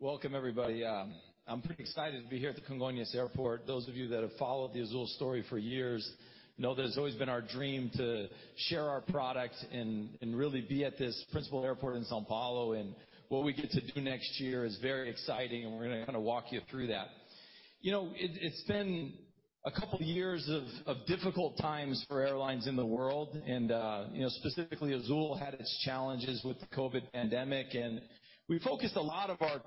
Welcome everybody. I'm pretty excited to be here at the Congonhas Airport. Those of you that have followed the Azul story for years know that it's always been our dream to share our product and really be at this principal airport in São Paulo. What we get to do next year is very exciting, and we're gonna kinda walk you through that. You know, it's been a couple years of difficult times for airlines in the world, and you know, specifically, Azul had its challenges with the COVID pandemic. We focused a lot of our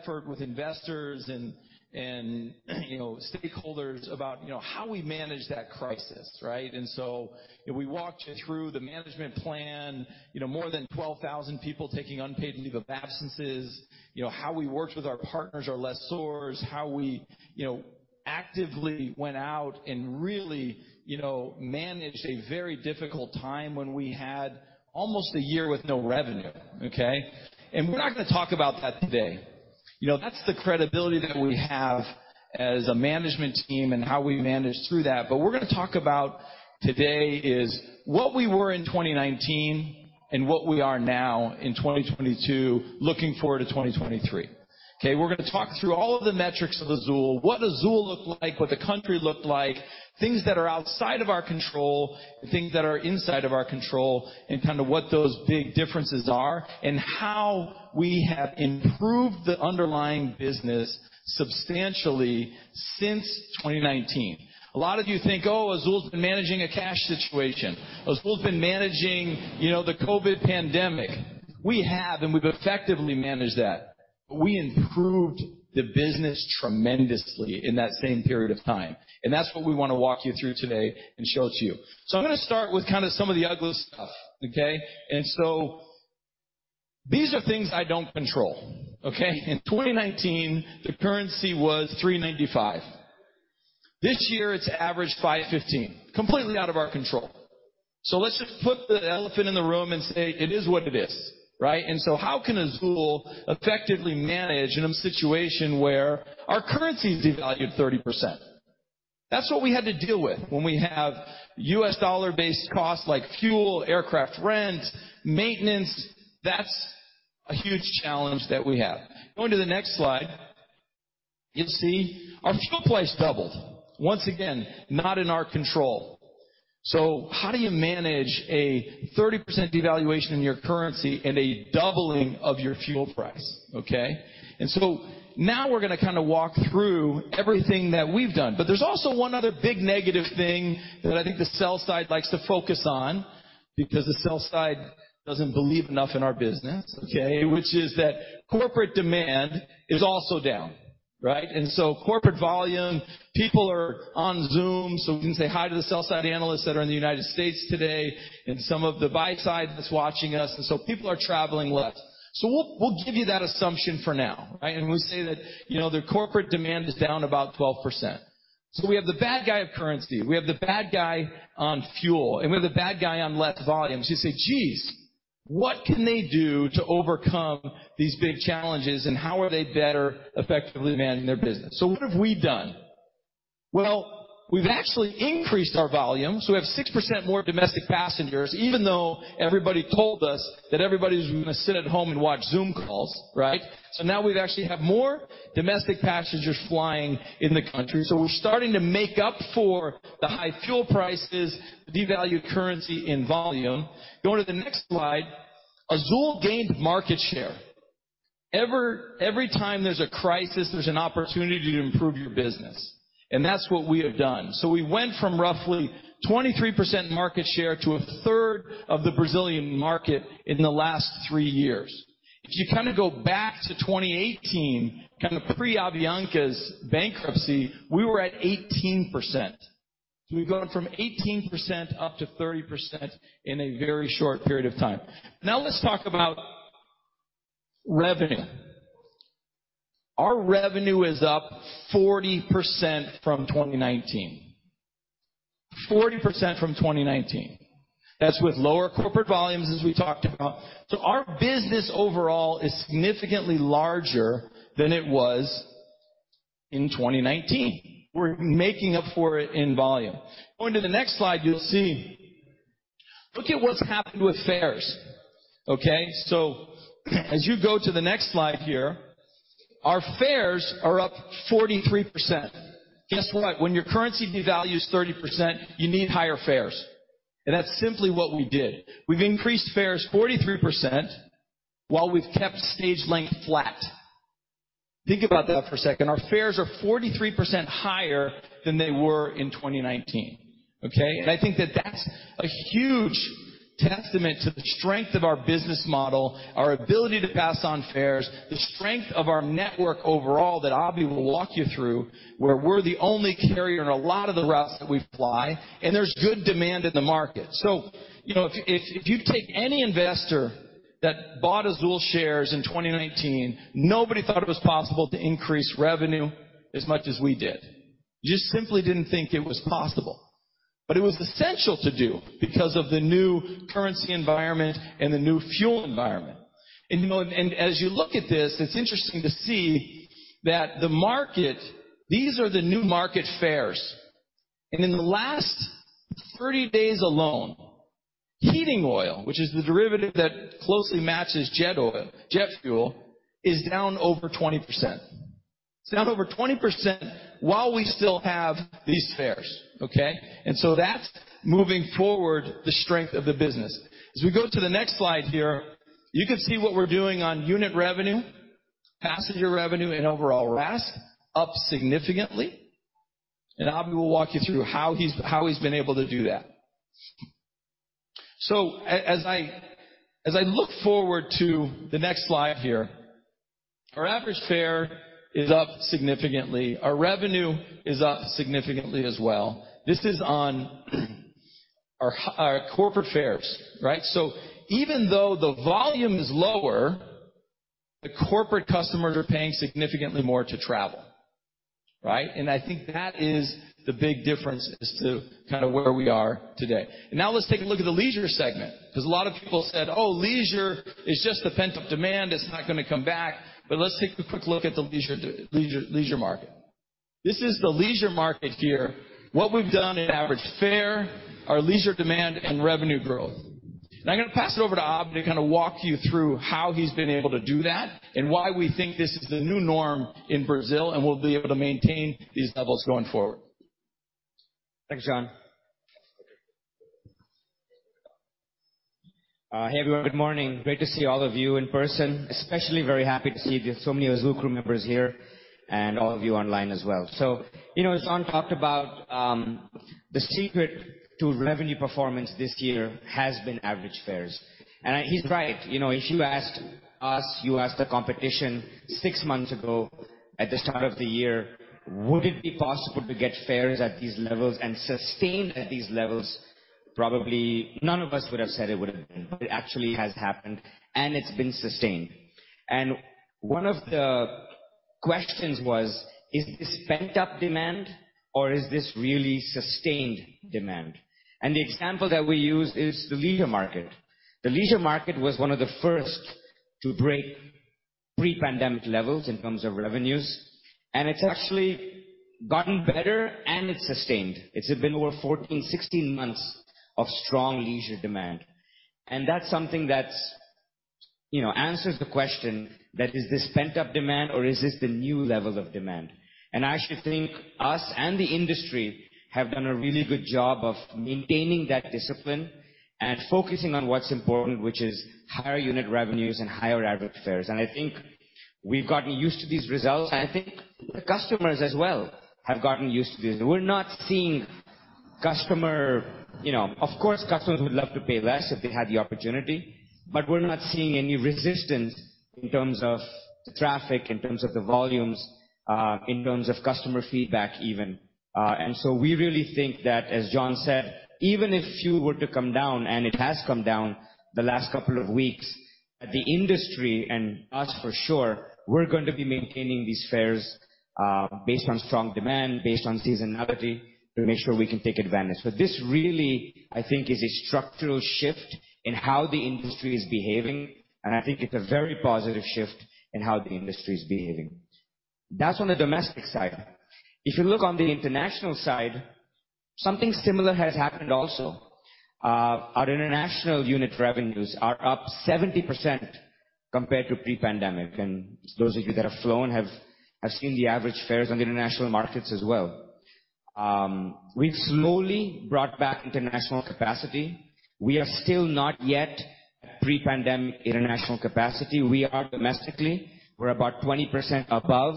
effort with investors and, you know, stakeholders about, you know, how we managed that crisis, right? You know, we walked you through the management plan, you know, more than 12,000 people taking unpaid leave of absences. You know, how we worked with our partners, our lessors. How we, you know, actively went out and really, you know, managed a very difficult time when we had almost a year with no revenue, okay. We're not gonna talk about that today. You know, that's the credibility that we have as a management team and how we managed through that. We're gonna talk about today is what we were in 2019 and what we are now in 2022, looking forward to 2023. Okay. We're gonna talk through all of the metrics of Azul. What Azul looked like, what the country looked like, things that are outside of our control and things that are inside of our control, and kind of what those big differences are, and how we have improved the underlying business substantially since 2019. A lot of you think, Oh, Azul's been managing a cash situation. Azul's been managing, you know, the COVID pandemic. We have, we've effectively managed that. We improved the business tremendously in that same period of time, that's what we wanna walk you through today and show it to you. I'm gonna start with kinda some of the uglier stuff, okay? These are things I don't control, okay? In 2019, the currency was 3.95. This year it's averaged 5.15. Completely out of our control. Let's just put the elephant in the room and say it is what it is, right? How can Azul effectively manage in a situation where our currency's devalued 30%? That's what we had to deal with when we have U.S. dollar-based costs like fuel, aircraft rent, maintenance. That's a huge challenge that we have. Going to the next slide, you'll see our fuel price doubled. Once again, not in our control. How do you manage a 30% devaluation in your currency and a doubling of your fuel price, okay. Now we're gonna kinda walk through everything that we've done. There's also one other big negative thing that I think the sell side likes to focus on because the sell side doesn't believe enough in our business, okay. Which is that corporate demand is also down, right? Corporate volume, people are on Zoom, so we can say hi to the sell side analysts that are in the United States today and some of the buy side that's watching us. People are traveling less. We'll give you that assumption for now, right? We'll say that, you know, their corporate demand is down about 12%. We have the bad guy of currency, we have the bad guy on fuel, and we have the bad guy on less volumes. You say, Geez, what can they do to overcome these big challenges, and how are they better effectively managing their business? What have we done? Well, we've actually increased our volume. We have 6% more domestic passengers, even though everybody told us that everybody's gonna sit at home and watch Zoom calls, right? Now we've actually have more domestic passengers flying in the country. We're starting to make up for the high fuel prices, the devalued currency, and volume. Going to the next slide. Azul gained market share. Every time there's a crisis, there's an opportunity to improve your business, and that's what we have done. We went from roughly 23% market share to 1/3 of the Brazilian market in the last three years. If you kinda go back to 2018, kind of pre-Avianca's bankruptcy, we were at 18%. We've gone from 18% up to 30% in a very short period of time. Now let's talk about revenue. Our revenue is up 40% from 2019. 40% from 2019. That's with lower corporate volumes, as we talked about. Our business overall is significantly larger than it was in 2019. We're making up for it in volume. Going to the next slide, you'll see. Look at what's happened with fares, okay? As you go to the next slide here, our fares are up 43%. Guess what? When your currency devalues 30%, you need higher fares, and that's simply what we did. We've increased fares 43% while we've kept stage length flat. Think about that for a second. Our fares are 43% higher than they were in 2019, okay? I think that that's a huge testament to the strength of our business model, our ability to pass on fares, the strength of our network overall that Abhi will walk you through, where we're the only carrier in a lot of the routes that we fly, and there's good demand in the market. You know, if you take any investor that bought Azul shares in 2019, nobody thought it was possible to increase revenue as much as we did. You just simply didn't think it was possible. It was essential to do because of the new currency environment and the new fuel environment. You know, as you look at this, it's interesting to see that the market. These are the new market fares. In the last 30 days alone, heating oil, which is the derivative that closely matches jet fuel, is down over 20%. It's down over 20% while we still have these fares, okay? That's moving forward the strength of the business. As we go to the next slide here, you can see what we're doing on unit revenue, passenger revenue and overall RASK, up significantly. Abhi will walk you through how he's been able to do that. As I look forward to the next slide here, our average fare is up significantly. Our revenue is up significantly as well. This is on our corporate fares, right? Even though the volume is lower, the corporate customers are paying significantly more to travel, right? I think that is the big difference as to kinda where we are today. Let's take a look at the leisure segment, 'cause a lot of people said, Oh, leisure is just the pent-up demand. It's not gonna come back. Let's take a quick look at the leisure market. This is the leisure market here, what we've done in average fare, our leisure demand and revenue growth. I'm gonna pass it over to Abhi to kinda walk you through how he's been able to do that and why we think this is the new norm in Brazil, we'll be able to maintain these levels going forward. Thanks, John. Hey, everyone. Good morning. Great to see all of you in person, especially very happy to see so many Azul crew members here and all of you online as well. You know, as John talked about, the secret to revenue performance this year has been average fares. He's right. You know, if you asked us, you asked the competition 6 months ago at the start of the year, would it be possible to get fares at these levels and sustain at these levels? Probably none of us would have said it would have been. It actually has happened, and it's been sustained. One of the questions was, is this pent-up demand or is this really sustained demand? The example that we use is the leisure market. The leisure market was one of the first to break pre-pandemic levels in terms of revenues. It's actually gotten better, and it's sustained. It's been over 14, 16 months of strong leisure demand. That's something that's, you know, answers the question that, is this pent-up demand or is this the new level of demand? I actually think us and the industry have done a really good job of maintaining that discipline and focusing on what's important, which is higher unit revenues and higher average fares. I think we've gotten used to these results. I think the customers as well have gotten used to this. We're not seeing You know, of course, customers would love to pay less if they had the opportunity, but we're not seeing any resistance in terms of the traffic, in terms of the volumes, in terms of customer feedback even. We really think that, as John said, even if fuel were to come down, and it has come down the last couple of weeks, the industry and us for sure, we're going to be maintaining these fares, based on strong demand, based on seasonality, to make sure we can take advantage. This really, I think, is a structural shift in how the industry is behaving, and I think it's a very positive shift in how the industry is behaving. That's on the domestic side. If you look on the international side, something similar has happened also. Our international unit revenues are up 70% compared to pre-pandemic. Those of you that have flown have seen the average fares on the international markets as well. We've slowly brought back international capacity. We are still not yet at pre-pandemic international capacity. We are domestically. We're about 20% above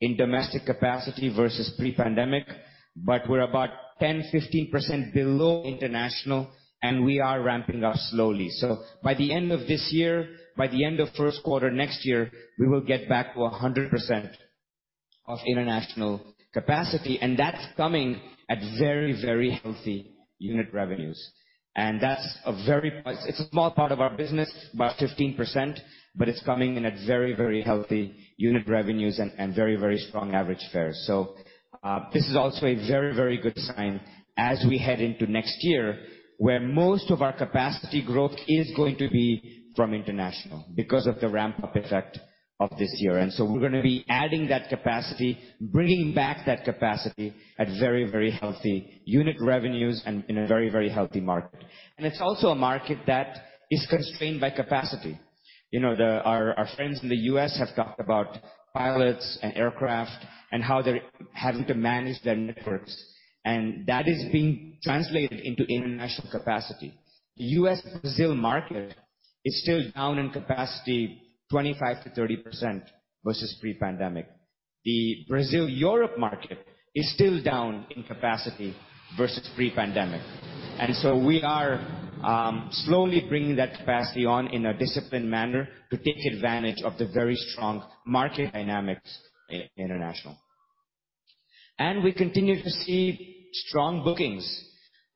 in domestic capacity versus pre-pandemic, but we're about 10%-15% below international, and we are ramping up slowly. By the end of this year, by the end of first quarter next year, we will get back to 100% of international capacity. That's coming at very, very healthy unit revenues. That's a small part of our business, about 15%, but it's coming in at very, very healthy unit revenues and very, very strong average fares. This is also a very, very good sign as we head into next year, where most of our capacity growth is going to be from international because of the ramp-up effect of this year. We're gonna be adding that capacity, bringing back that capacity at very, very healthy unit revenues and in a very, very healthy market. It's also a market that is constrained by capacity. You know, Our friends in the U.S. have talked about pilots and aircraft and how they're having to manage their networks, and that is being translated into international capacity. The U.S.-Brazil market is still down in capacity 25%-30% versus pre-pandemic. The Brazil-Europe market is still down in capacity versus pre-pandemic. We are slowly bringing that capacity on in a disciplined manner to take advantage of the very strong market dynamics in international. We continue to see strong bookings.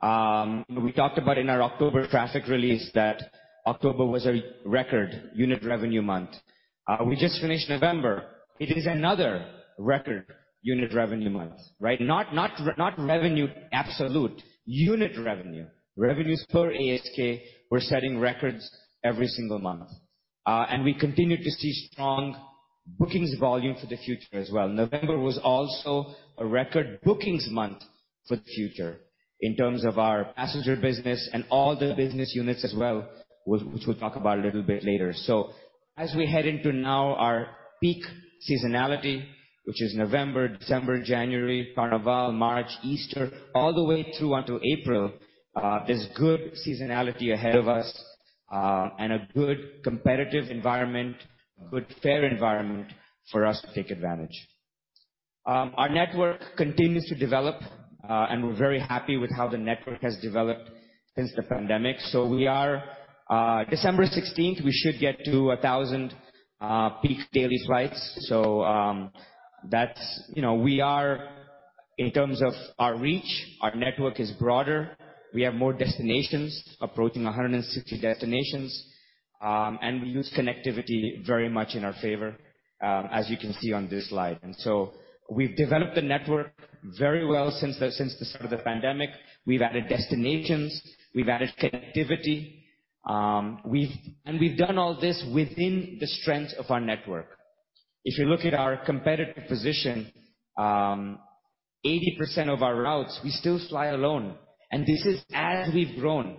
We talked about in our October traffic release that October was a record unit revenue month. We just finished November. It is another record unit revenue month, right? Not revenue absolute, unit revenue. Revenues per ASK, we're setting records every single month. We continue to see bookings volume for the future as well. November was also a record bookings month for the future in terms of our passenger business and all the business units as well, which we'll talk about a little bit later. As we head into now our peak seasonality, which is November, December, January, Carnaval, March, Easter, all the way through until April, there's good seasonality ahead of us, and a good competitive environment, good fair environment for us to take advantage. Our network continues to develop, and we're very happy with how the network has developed since the pandemic. We are December 16th, we should get to 1,000 peak daily flights. That's, you know, we are in terms of our reach, our network is broader. We have more destinations, approaching 160 destinations, and we use connectivity very much in our favor, as you can see on this slide. We've developed the network very well since the start of the pandemic. We've added destinations, we've added connectivity, and we've done all this within the strength of our network. If you look at our competitive position, 80% of our routes, we still fly alone, and this is as we've grown.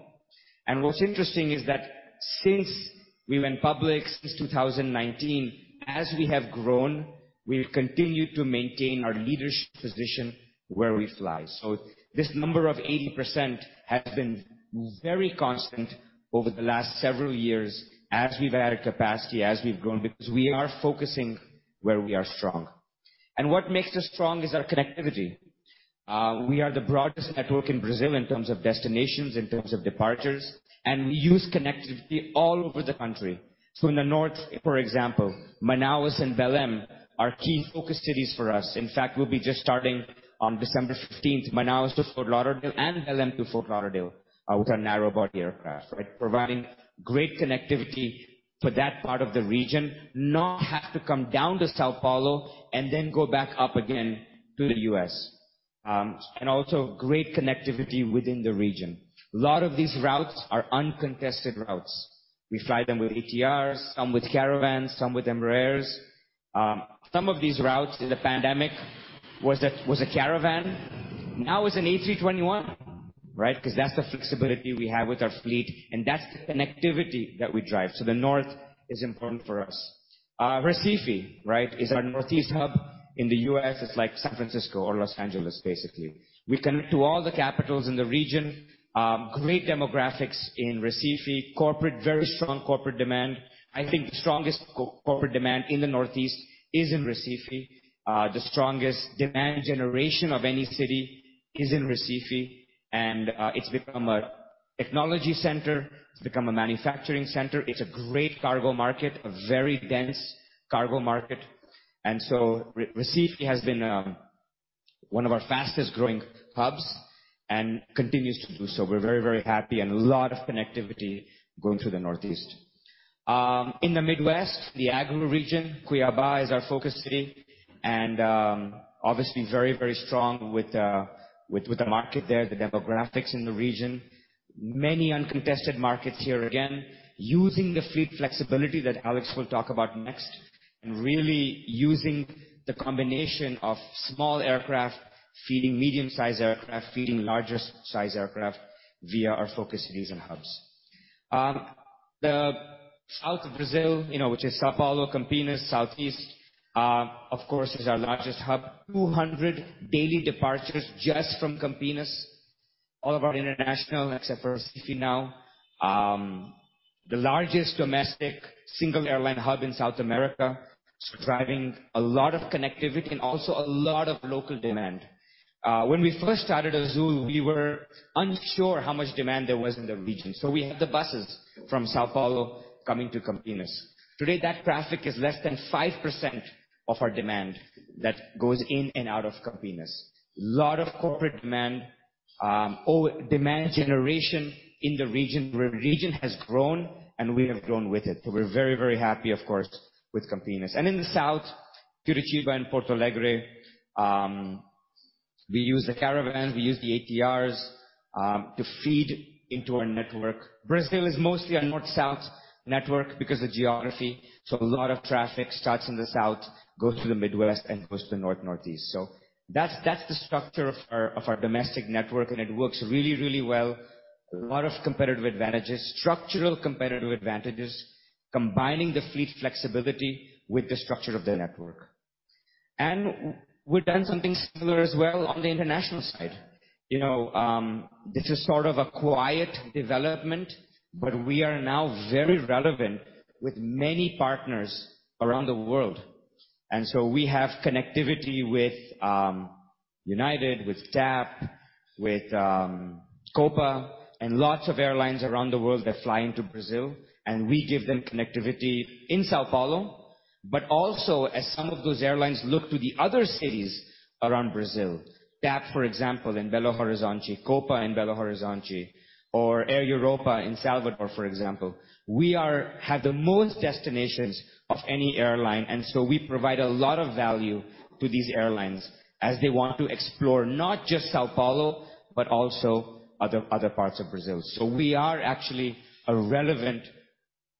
What's interesting is that since we went public, since 2019, as we have grown, we've continued to maintain our leadership position where we fly. This number of 80% has been very constant over the last several years as we've added capacity, as we've grown, because we are focusing where we are strong. What makes us strong is our connectivity. We are the broadest network in Brazil in terms of destinations, in terms of departures, and we use connectivity all over the country. In the north, for example, Manaus and Belém are key focus cities for us. In fact, we'll be just starting on December 15th, Manaus to Fort Lauderdale and Belém to Fort Lauderdale, with our narrow body aircraft, right? Providing great connectivity for that part of the region, not have to come down to São Paulo and then go back up again to the US. Also great connectivity within the region. A lot of these routes are uncontested routes. We fly them with ATRs, some with Caravans, some with Embraers. Some of these routes in the pandemic was a Caravan. Now it's an A321, right? 'Cause that's the flexibility we have with our fleet, and that's the connectivity that we drive. The North is important for us. Recife, right, is our northeast hub. In the U.S., it's like San Francisco or Los Angeles, basically. We connect to all the capitals in the region. Great demographics in Recife. Corporate, very strong corporate demand. I think the strongest co-corporate demand in the northeast is in Recife. The strongest demand generation of any city is in Recife, and it's become a technology center. It's become a manufacturing center. It's a great cargo market, a very dense cargo market. Recife has been one of our fastest-growing hubs and continues to do so. We're very, very happy and a lot of connectivity going through the Northeast. In the Midwest, the Agro region, Cuiabá is our focus city, and obviously very, very strong with the market there, the demographics in the region. Many uncontested markets here again. Using the fleet flexibility that Alex will talk about next, and really using the combination of small aircraft feeding medium-sized aircraft, feeding larger size aircraft via our focus cities and hubs. The south of Brazil, you know, which is São Paulo, Campinas, southeast, of course, is our largest hub. 200 daily departures just from Campinas. All of our international, except for Recife now. The largest domestic single airline hub in South America. Driving a lot of connectivity and also a lot of local demand. When we first started Azul, we were unsure how much demand there was in the region, we had the buses from São Paulo coming to Campinas. Today, that traffic is less than 5% of our demand that goes in and out of Campinas. Lot of corporate demand. All demand generation in the region. region has grown, and we have grown with it. We're very, very happy, of course, with Campinas. In the south, Curitiba and Porto Alegre, we use the Caravan, we use the ATRs to feed into our network. Brazil is mostly a north-south network because of geography, a lot of traffic starts in the south, goes through the Midwest and goes to the north, northeast. That's the structure of our domestic network, and it works really, really well. A lot of competitive advantages, structural competitive advantages, combining the fleet flexibility with the structure of the network. We've done something similar as well on the international side. You know, this is sort of a quiet development, but we are now very relevant with many partners around the world. We have connectivity with United, with TAP, with Copa, and lots of airlines around the world that fly into Brazil, and we give them connectivity in São Paulo, but also as some of those airlines look to the other cities around Brazil. TAP, for example, in Belo Horizonte, Copa in Belo Horizonte, or Air Europa in Salvador, for example. We have the most destinations of any airline, and so we provide a lot of value to these airlines as they want to explore not just São Paulo, but also other parts of Brazil. We are actually a relevant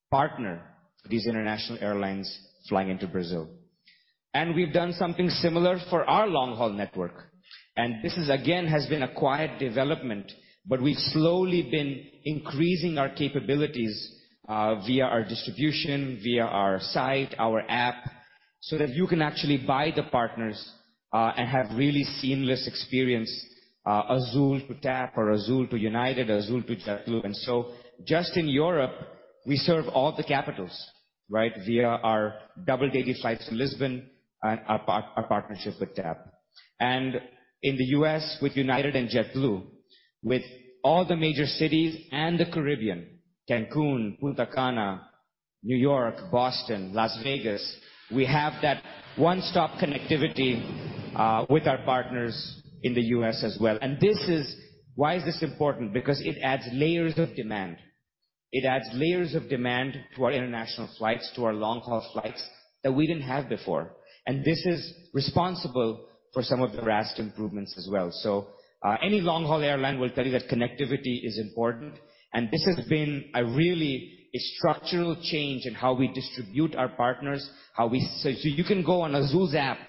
partner for these international airlines flying into Brazil. We've done something similar for our long-haul network. This is again, has been a quiet development, but we've slowly been increasing our capabilities via our distribution, via our site, our app, so that you can actually buy the partners and have really seamless experience, Azul to TAP or Azul to United, Azul to JetBlue. Just in Europe, we serve all the capitals, right? Via our double-daily flights to Lisbon and our partnership with TAP. In the U.S. with United and JetBlue, with all the major cities and the Caribbean, Cancun, Punta Cana, New York, Boston, Las Vegas, we have that one-stop connectivity with our partners in the U.S. as well. This is... Why is this important? Because it adds layers of demand. It adds layers of demand to our international flights, to our long-haul flights that we didn't have before. This is responsible for some of the RASK improvements as well. Any long-haul airline will tell you that connectivity is important, and this has been a structural change in how we distribute our partners. You can go on Azul's app,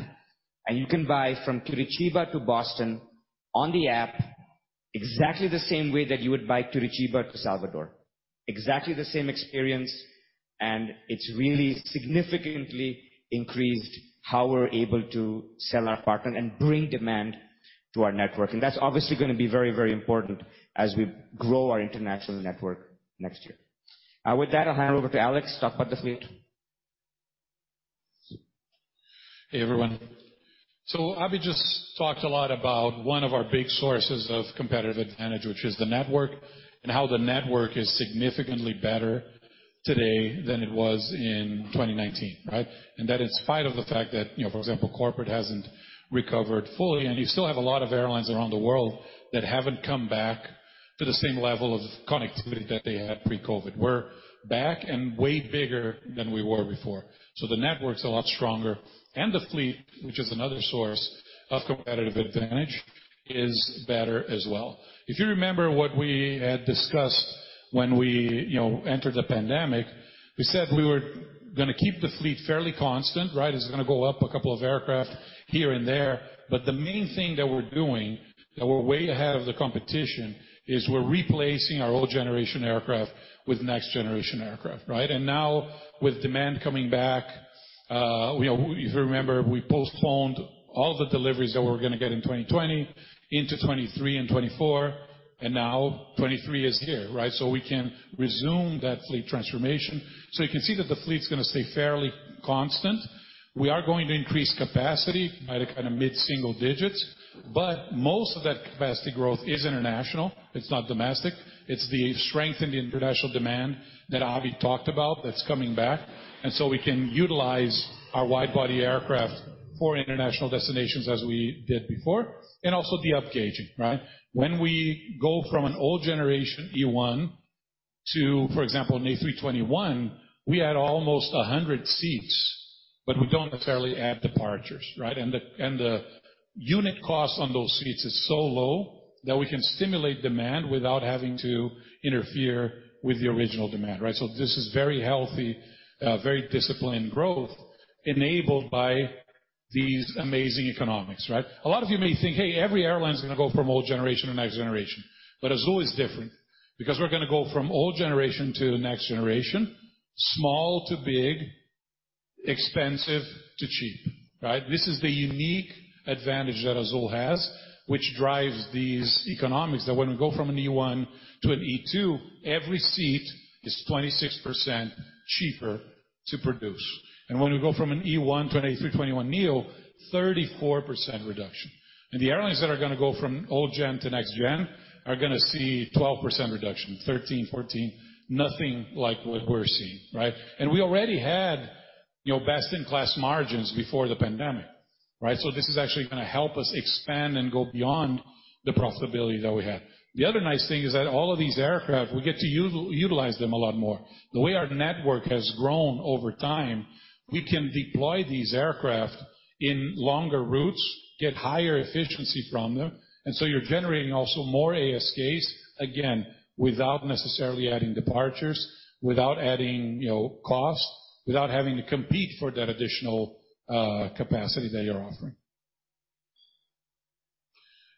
and you can buy from Curitiba to Boston on the app exactly the same way that you would buy Curitiba to Salvador. Exactly the same experience, it's really significantly increased how we're able to sell our partner and bring demand to our network. That's obviously gonna be very, very important as we grow our international network next year. With that, I'll hand over to Alex to talk about the fleet. Hey, everyone. Abhi just talked a lot about one of our big sources of competitive advantage, which is the network, and how the network is significantly better today than it was in 2019, right? That in spite of the fact that, you know, for example, corporate hasn't recovered fully, and you still have a lot of airlines around the world that haven't come back to the same level of connectivity that they had pre-COVID. We're back and way bigger than we were before. The network's a lot stronger. The fleet, which is another source of competitive advantage, is better as well. If you remember what we had discussed when we, you know, entered the pandemic, we said we were gonna keep the fleet fairly constant, right? It's gonna go up a couple of aircraft here and there, but the main thing that we're doing, that we're way ahead of the competition, is we're replacing our old generation aircraft with next generation aircraft, right? Now with demand coming back, you know, if you remember, we postponed all the deliveries that we're gonna get in 2020 into 2023 and 2024. Now 2023 is here, right? We can resume that fleet transformation. You can see that the fleet's gonna stay fairly constant. We are going to increase capacity by the kinda mid-single digits, but most of that capacity growth is international. It's not domestic. It's the strength in the international demand that Abhi talked about that's coming back. We can utilize our wide-body aircraft for international destinations as we did before and also the upgauging, right? When we go from an old generation E1 to, for example, an A321, we add almost 100 seats, but we don't necessarily add departures, right? The unit cost on those seats is so low that we can stimulate demand without having to interfere with the original demand, right? This is very healthy, very disciplined growth enabled by these amazing economics, right? A lot of you may think, Hey, every airline is gonna go from old generation to next generation. Azul is different because we're gonna go from old generation to next generation, small to big, expensive to cheap, right? This is the unique advantage that Azul has, which drives these economics that when we go from an E1 to an E2, every seat is 26% cheaper to produce. When we go from an E1 to an A321neo, 34% reduction. The airlines that are gonna go from old gen to next gen are gonna see 12% reduction, 13%, 14%, nothing like what we're seeing, right? We already had, you know, best in class margins before the pandemic, right? This is actually gonna help us expand and go beyond the profitability that we have. The other nice thing is that all of these aircraft, we get to utilize them a lot more. The way our network has grown over time, we can deploy these aircraft in longer routes, get higher efficiency from them, you're generating also more ASKs, again, without necessarily adding departures, without adding, you know, costs, without having to compete for that additional capacity that you're offering.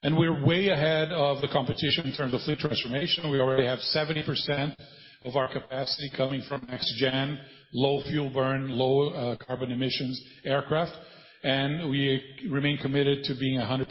We're way ahead of the competition in terms of fleet transformation. We already have 70% of our capacity coming from next gen, low fuel burn, low carbon emissions aircraft. We remain committed to being 100%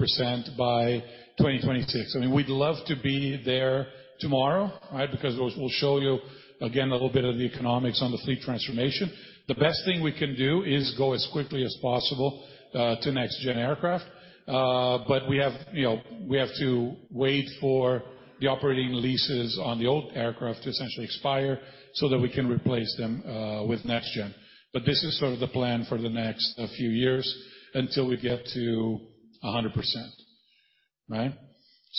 by 2026. I mean, we'd love to be there tomorrow, right? We'll show you again a little bit of the economics on the fleet transformation. The best thing we can do is go as quickly as possible to next gen aircraft. We have, you know, we have to wait for the operating leases on the old aircraft to essentially expire so that we can replace them with next gen. This is sort of the plan for the next few years until we get to 100%, right?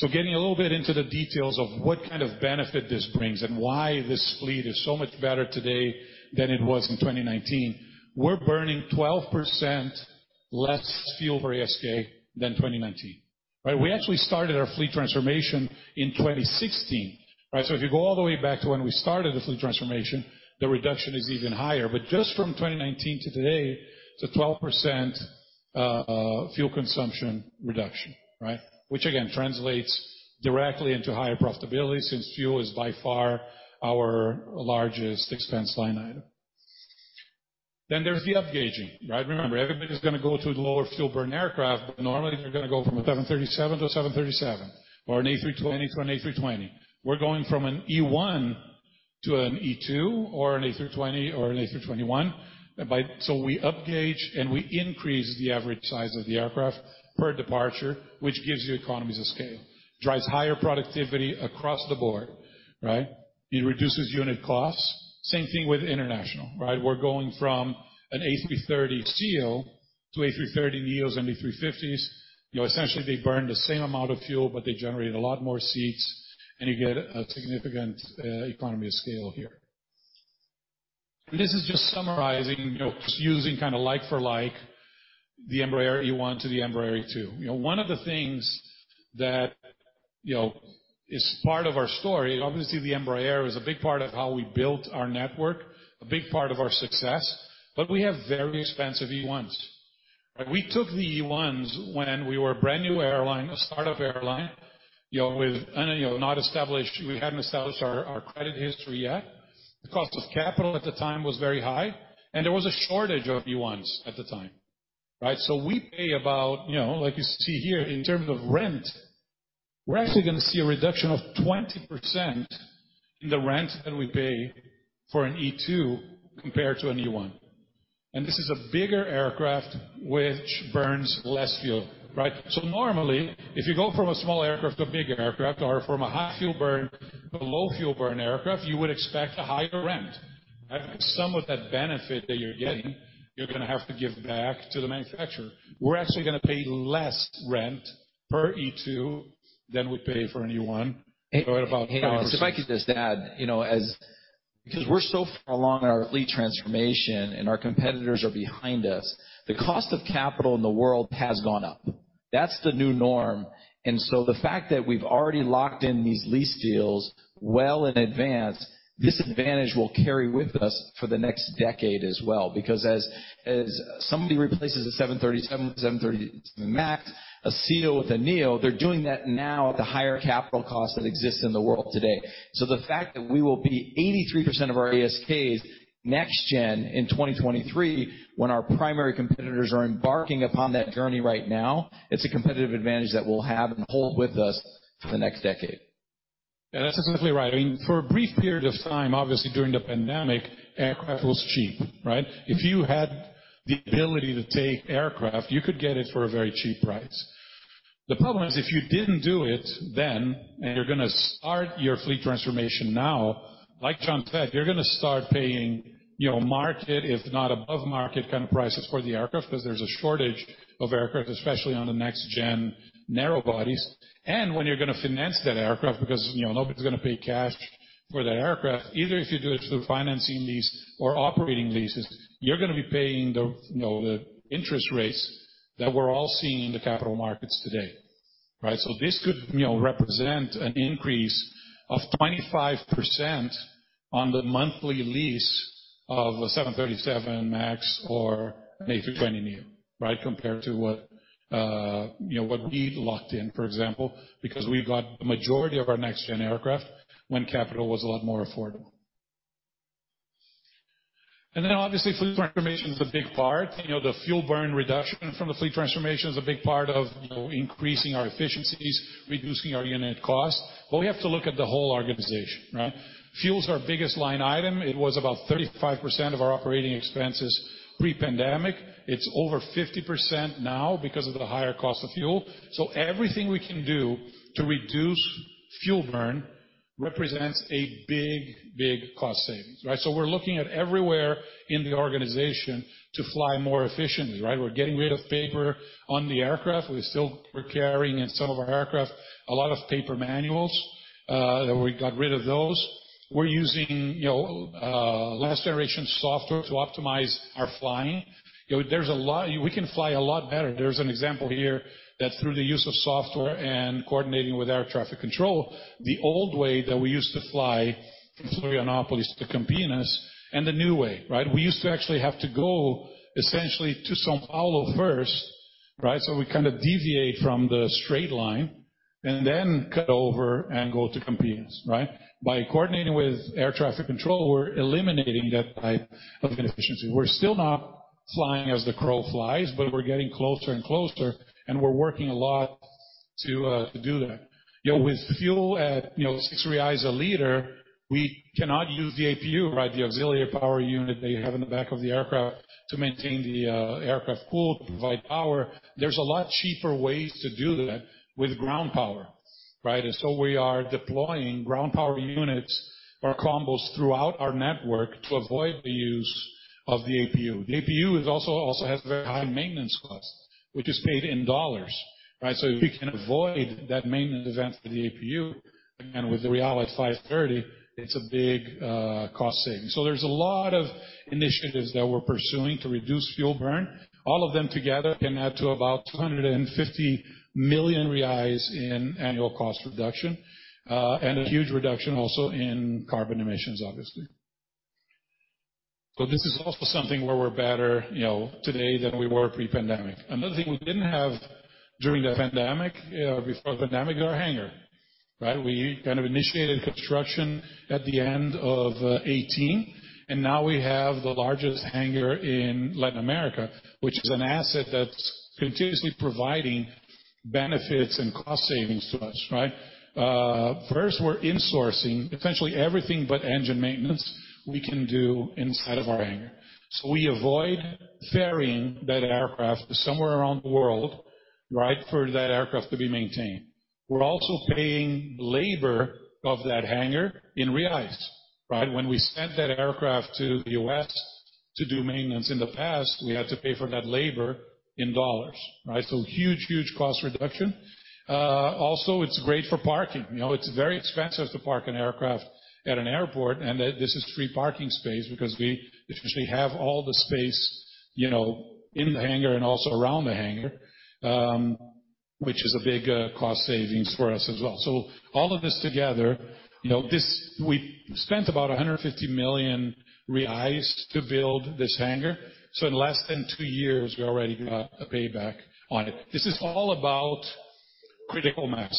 Getting a little bit into the details of what kind of benefit this brings and why this fleet is so much better today than it was in 2019. We're burning 12% less fuel per ASK than 2019, right? We actually started our fleet transformation in 2016, right? If you go all the way back to when we started the fleet transformation, the reduction is even higher. Just from 2019 to today, it's a 12% fuel consumption reduction, right? Which again, translates directly into higher profitability since fuel is by far our largest expense line item. There's the upgauging, right? Remember, everybody's gonna go to a lower fuel burn aircraft, but normally, you're gonna go from a Boeing 737 to a Boeing 737 or an A320 to an A320. We're going from an E1 to an E2 or an A320 or an A321. We upgauge and we increase the average size of the aircraft per departure, which gives you economies of scale. Drives higher productivity across the board, right? It reduces unit costs. Same thing with international, right? We're going from an A330ceo to A330neos and A350s. You know, essentially they burn the same amount of fuel, but they generate a lot more seats, and you get a significant economy of scale here. This is just summarizing, you know, just using kinda like for like the Embraer E1 to the Embraer E2. You know, one of the things that, you know, is part of our story, obviously, the Embraer is a big part of how we built our network, a big part of our success, but we have very expensive E1s. We took the E1s when we were a brand new airline, a start-up airline, you know, not established. We hadn't established our credit history yet. The cost of capital at the time was very high, and there was a shortage of E1s at the time, right? We pay about, you know, like you see here, in terms of rent, we're actually gonna see a reduction of 20% in the rent that we pay for an E2 compared to an E1. This is a bigger aircraft which burns less fuel, right? Normally, if you go from a small aircraft to a big aircraft or from a high fuel burn to a low fuel burn aircraft, you would expect a higher rent. Some of that benefit that you're getting, you're gonna have to give back to the manufacturer. We're actually gonna pay less rent per E2 than we pay for an E1. Hey, if I could just add, you know, because we're so far along in our fleet transformation and our competitors are behind us, the cost of capital in the world has gone up. That's the new norm. The fact that we've already locked in these lease deals well in advance, this advantage will carry with us for the next decade as well. As somebody replaces a Boeing 737 MAX, a CEO with a NEO, they're doing that now at the higher capital cost that exists in the world today. The fact that we will be 83% of our ASKs next gen in 2023 when our primary competitors are embarking upon that journey right now, it's a competitive advantage that we'll have and hold with us for the next decade. Yeah, that's exactly right. I mean, for a brief period of time, obviously during the pandemic, aircraft was cheap, right? If you had the ability to take aircraft, you could get it for a very cheap price. The problem is, if you didn't do it then, and you're gonna start your fleet transformation now, like John said, you're gonna start paying, you know, market, if not above market kind of prices for the aircraft because there's a shortage of aircraft, especially on the next gen narrow bodies. When you're gonna finance that aircraft because, you know, nobody's gonna pay cash for that aircraft, either if you do it through a financing lease or operating leases, you're gonna be paying the, you know, the interest rates that we're all seeing in the capital markets today, right? This could, you know, represent an increase of 25% on the monthly lease of a Boeing 737 MAX or an A320neo, right? Compared to what, you know, what we locked in, for example, because we got the majority of our next-gen aircraft when capital was a lot more affordable. Obviously, fleet transformation is a big part. You know, the fuel burn reduction from the fleet transformation is a big part of, you know, increasing our efficiencies, reducing our unit cost. We have to look at the whole organization, right? Fuel is our biggest line item. It was about 35% of our operating expenses pre-pandemic. It's over 50% now because of the higher cost of fuel. Everything we can do to reduce fuel burn represents a big, big cost savings, right? We're looking at everywhere in the organization to fly more efficiently, right? We're getting rid of paper on the aircraft. We still were carrying in some of our aircraft, a lot of paper manuals, and we got rid of those. We're using, you know, last generation software to optimize our flying. You know, We can fly a lot better. There's an example here that through the use of software and coordinating with air traffic control, the old way that we used to fly from Florianópolis to Campinas and the new way, right? We used to actually have to go essentially to São Paulo first, right? We kinda deviate from the straight line and then cut over and go to Campinas, right? By coordinating with air traffic control, we're eliminating that type of inefficiency. We're still not flying as the crow flies, but we're getting closer and closer. We're working a lot to do that. You know, with fuel at, you know, 6 reais a liter, we cannot use the APU, right? The auxiliary power unit they have in the back of the aircraft to maintain the aircraft cool, to provide power. There's a lot cheaper ways to do that with ground power, right? We are deploying ground power units or combos throughout our network to avoid the use of the APU. The APU also has very high maintenance costs, which is paid in dollars, right? If we can avoid that maintenance event for the APU, again, with the BRL at 5.30, it's a big cost saving. There's a lot of initiatives that we're pursuing to reduce fuel burn. All of them together can add to about 250 million reais in annual cost reduction, and a huge reduction also in carbon emissions, obviously. This is also something where we're better, you know, today than we were pre-pandemic. Another thing we didn't have during the pandemic, before the pandemic, our hangar, right. We kind of initiated construction at the end of 2018, and now we have the largest hangar in Latin America, which is an asset that's continuously providing benefits and cost savings to us, right. First, we're insourcing essentially everything but engine maintenance we can do inside of our hangar. We avoid ferrying that aircraft to somewhere around the world, right, for that aircraft to be maintained. We're also paying labor of that hangar in reais, right. When we sent that aircraft to the US to do maintenance in the past, we had to pay for that labor in dollars, right? Huge, huge cost reduction. Also it's great for parking. You know, it's very expensive to park an aircraft at an airport, and this is free parking space because we essentially have all the space, you know, in the hangar and also around the hangar, which is a big cost savings for us as well. All of this together, you know, this. We spent about 150 million reais to build this hangar. In less than two years we already got a payback on it. This is all about critical mass,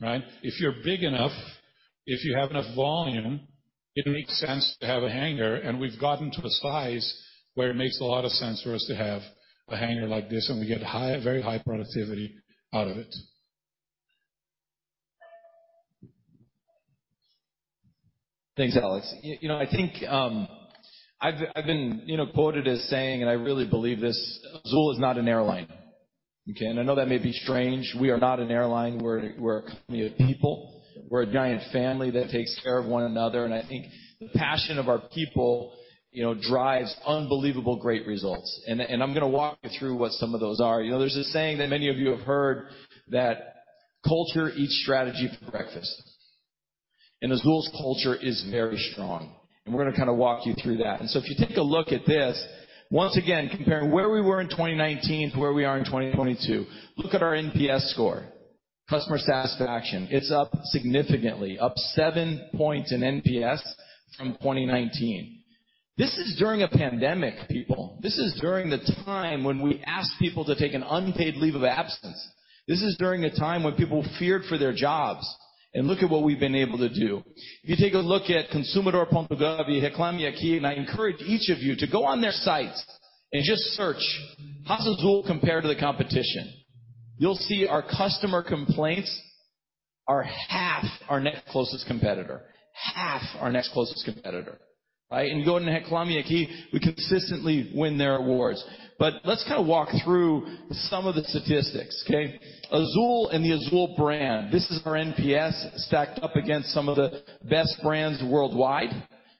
right? If you're big enough, if you have enough volume, it makes sense to have a hangar, and we've gotten to a size where it makes a lot of sense for us to have a hangar like this, and we get very high productivity out of it. Thanks, Alex. You know, I think, I've been, you know, quoted as saying, and I really believe this, Azul is not an airline. Okay, I know that may be strange. We are not an airline. We're a company of people. We're a giant family that takes care of one another, and I think the passion of our people, you know, drives unbelievable, great results. I'm gonna walk you through what some of those are. You know, there's a saying that many of you have heard that culture eats strategy for breakfast. Azul's culture is very strong, and we're gonna kind of walk you through that. If you take a look at this, once again, comparing where we were in 2019 to where we are in 2022. Look at our NPS score. Customer satisfaction. It's up significantly, up 7 points in NPS from 2019. This is during a pandemic, people. This is during the time when we asked people to take an unpaid leave of absence. This is during a time when people feared for their jobs. Look at what we've been able to do. If you take a look at Consumidor.gov.br, Reclame Aqui, I encourage each of you to go on their sites and just search how Azul compare to the competition. You'll see our customer complaints are half our next closest competitor. Half our next closest competitor, right? You go into Reclame Aqui, we consistently win their awards. Let's kind of walk through some of the statistics, okay? Azul and the Azul brand, this is our NPS stacked up against some of the best brands worldwide.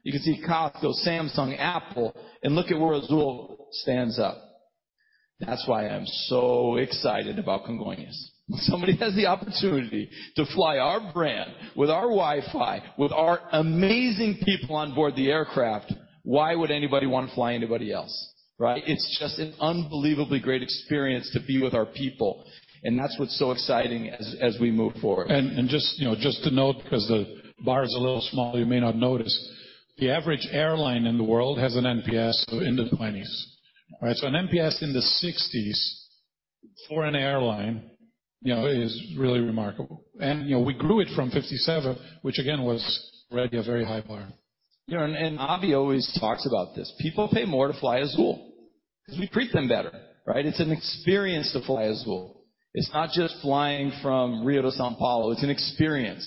You can see Costco, Samsung, Apple, and look at where Azul stands up. That's why I'm so excited about Congonhas. Somebody has the opportunity to fly our brand with our Wi-Fi, with our amazing people on board the aircraft. Why would anybody want to fly anybody else, right? It's just an unbelievably great experience to be with our people, and that's what's so exciting as we move forward. Just, you know, just to note, because the bar is a little small, you may not notice. The average airline in the world has an NPS in the 20s, right? An NPS in the 60s for an airline, you know, is really remarkable. You know, we grew it from 57, which again was already a very high bar. You know, Abhi always talks about this. People pay more to fly Azul 'cause we treat them better, right? It's an experience to fly Azul. It's not just flying from Rio to São Paulo, it's an experience.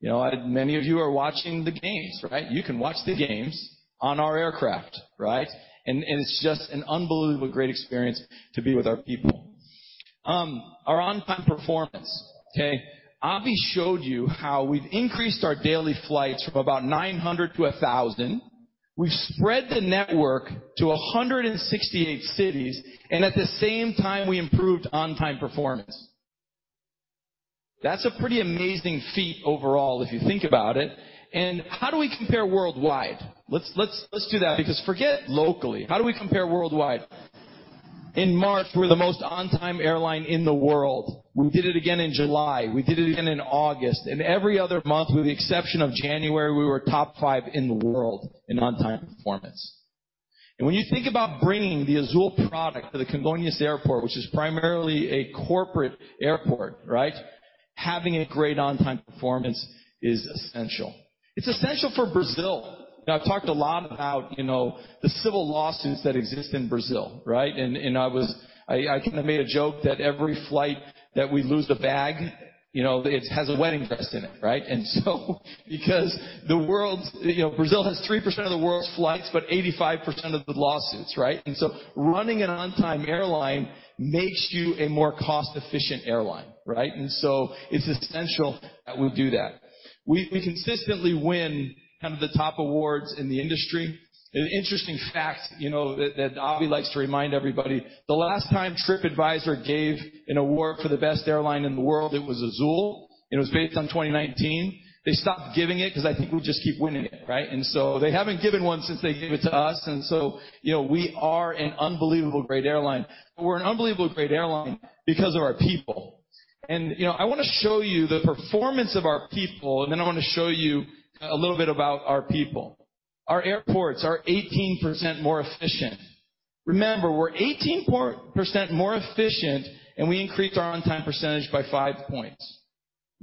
You know, many of you are watching the games, right? You can watch the games on our aircraft, right? It's just an unbelievably great experience to be with our people. Our on-time performance. Okay. Abhi showed you how we've increased our daily flights from about 900 to 1,000. We've spread the network to 168 cities, at the same time, we improved on-time performance. That's a pretty amazing feat overall, if you think about it. How do we compare worldwide? Let's do that because forget locally. How do we compare worldwide? In March, we're the most on-time airline in the world. We did it again in July. We did it again in August. Every other month, with the exception of January, we were top 5 in the world in on-time performance. When you think about bringing the Azul product to the Congonhas Airport, which is primarily a corporate airport, right? Having a great on-time performance is essential. It's essential for Brazil. Now, I've talked a lot about, you know, the civil lawsuits that exist in Brazil, right? I kinda made a joke that every flight that we lose the bag, you know, it has a wedding dress in it, right? Because, you know, Brazil has 3% of the world's flights, but 85% of the lawsuits, right? Running an on-time airline makes you a more cost-efficient airline, right? It's essential that we do that. We consistently win kind of the top awards in the industry. An interesting fact, you know, that Abhi likes to remind everybody. The last time Tripadvisor gave an award for the best airline in the world, it was Azul, and it was based on 2019. They stopped giving it because I think we'll just keep winning it, right? They haven't given one since they gave it to us, you know, we are an unbelievable great airline. We're an unbelievable great airline because of our people. You know, I wanna show you the performance of our people, and then I wanna show you a little bit about our people. Our airports are 18% more efficient. Remember, we're 18% more efficient, and we increased our on-time percentage by 5 points.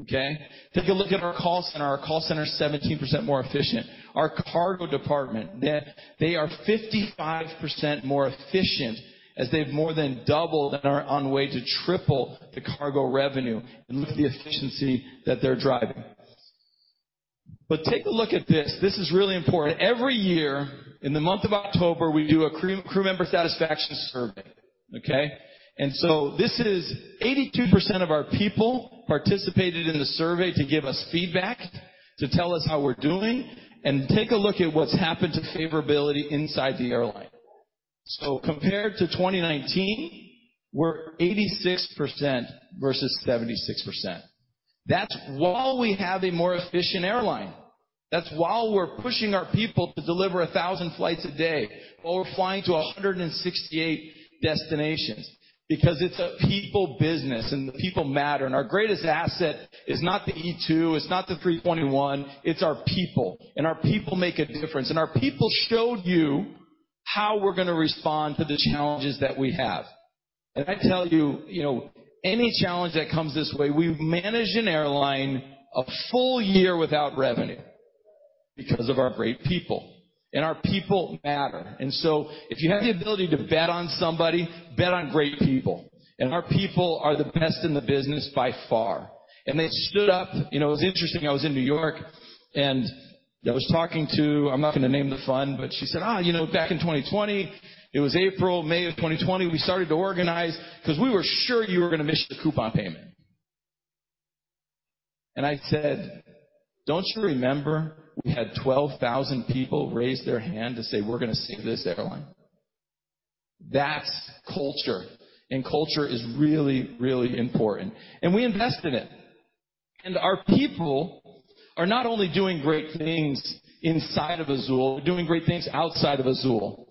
Okay? Take a look at our call center. Our call center is 17% more efficient. Our cargo department, they are 55% more efficient as they've more than doubled and are on way to triple the cargo revenue and look at the efficiency that they're driving. Take a look at this. This is really important. Every year in the month of October, we do a crew member satisfaction survey. Okay? This is 82% of our people participated in the survey to give us feedback, to tell us how we're doing and take a look at what's happened to favorability inside the airline. Compared to 2019, we're 86% versus 76%. That's while we have a more efficient airline. That's while we're pushing our people to deliver 1,000 flights a day, while we're flying to 168 destinations. It's a people business, and the people matter. Our greatest asset is not the E2, it's not the A321, it's our people. Our people make a difference. Our people showed you how we're gonna respond to the challenges that we have. I tell you know, any challenge that comes this way, we've managed an airline a full year without revenue because of our great people. Our people matter. If you have the ability to bet on somebody, bet on great people. Our people are the best in the business by far. They stood up... You know, it was interesting, I was in New York, and I was talking to... I'm not gonna name the fund, but she said, You know, back in 2020, it was April, May of 2020, we started to organize because we were sure you were gonna miss your coupon payment. I said, Don't you remember we had 12,000 people raise their hand to say, 'We're gonna save this airline. That's culture. Culture is really, really important. We invest in it. Our people are not only doing great things inside of Azul, they're doing great things outside of Azul.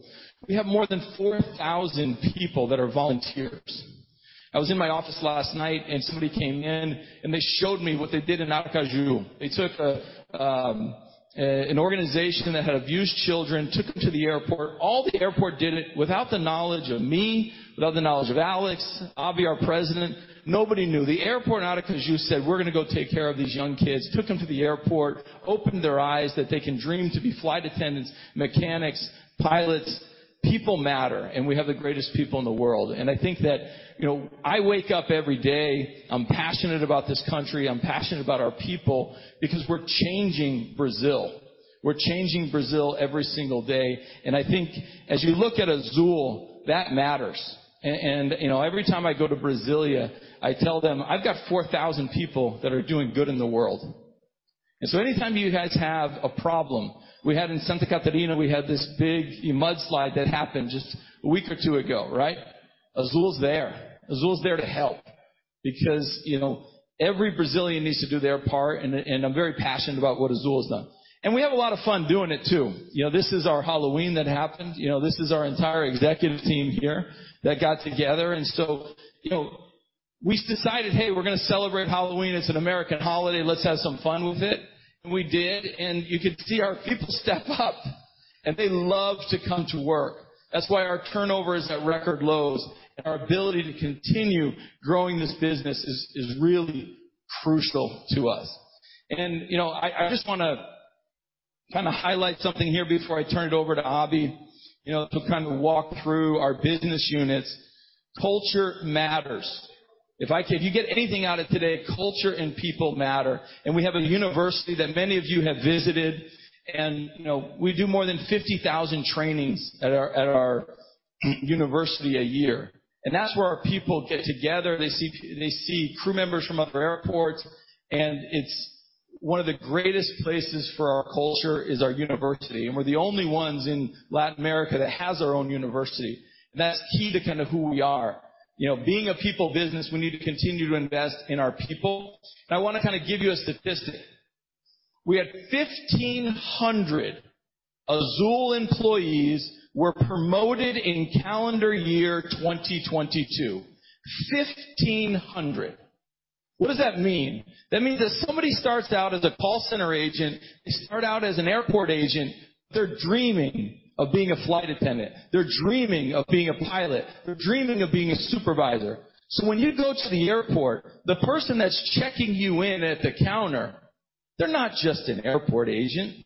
We have more than 4,000 people that are volunteers. I was in my office last night and somebody came in, and they showed me what they did in Aracaju. They took an organization that had abused children, took them to the airport. All the airport did it without the knowledge of me, without the knowledge of Alex, Abhi, our President. Nobody knew. The airport in Aracaju said, We're gonna go take care of these young kids. Took them to the airport, opened their eyes that they can dream to be flight attendants, mechanics, pilots. People matter, and we have the greatest people in the world. I think that, you know, I wake up every day, I'm passionate about this country, I'm passionate about our people because we're changing Brazil. We're changing Brazil every single day. I think as you look at Azul, that matters. You know, every time I go to Brasília, I tell them, I've got 4,000 people that are doing good in the world. Anytime you guys have a problem, we had in Santa Catarina, we had this big mudslide that happened just a week or two ago, right? Azul's there. Azul's there to help because, you know, every Brazilian needs to do their part. I'm very passionate about what Azul has done. We have a lot of fun doing it too. You know, this is our Halloween that happened. You know, this is our entire executive team here that got together. You know, we decided, Hey, we're gonna celebrate Halloween. It's an American holiday. Let's have some fun with it. We did. You could see our people step up, and they love to come to work. That's why our turnover is at record lows. Our ability to continue growing this business is really crucial to us. You know, I just wanna kinda highlight something here before I turn it over to Abhi, you know, to kind of walk through our business units. Culture matters. If you get anything out of today, culture and people matter. We have a university that many of you have visited. You know, we do more than 50,000 trainings at our, at our university a year. That's where our people get together. They see crew members from other airports. It's one of the greatest places for our culture is our university. We're the only ones in Latin America that has our own university. That's key to kind of who we are. You know, being a people business, we need to continue to invest in our people. I wanna kind of give you a statistic. We had 1,500 Azul employees were promoted in calendar year 2022. 1,500. What does that mean? That means that somebody starts out as a call center agent, they start out as an airport agent, they're dreaming of being a flight attendant. They're dreaming of being a pilot. They're dreaming of being a supervisor. When you go to the airport, the person that's checking you in at the counter, they're not just an airport agent.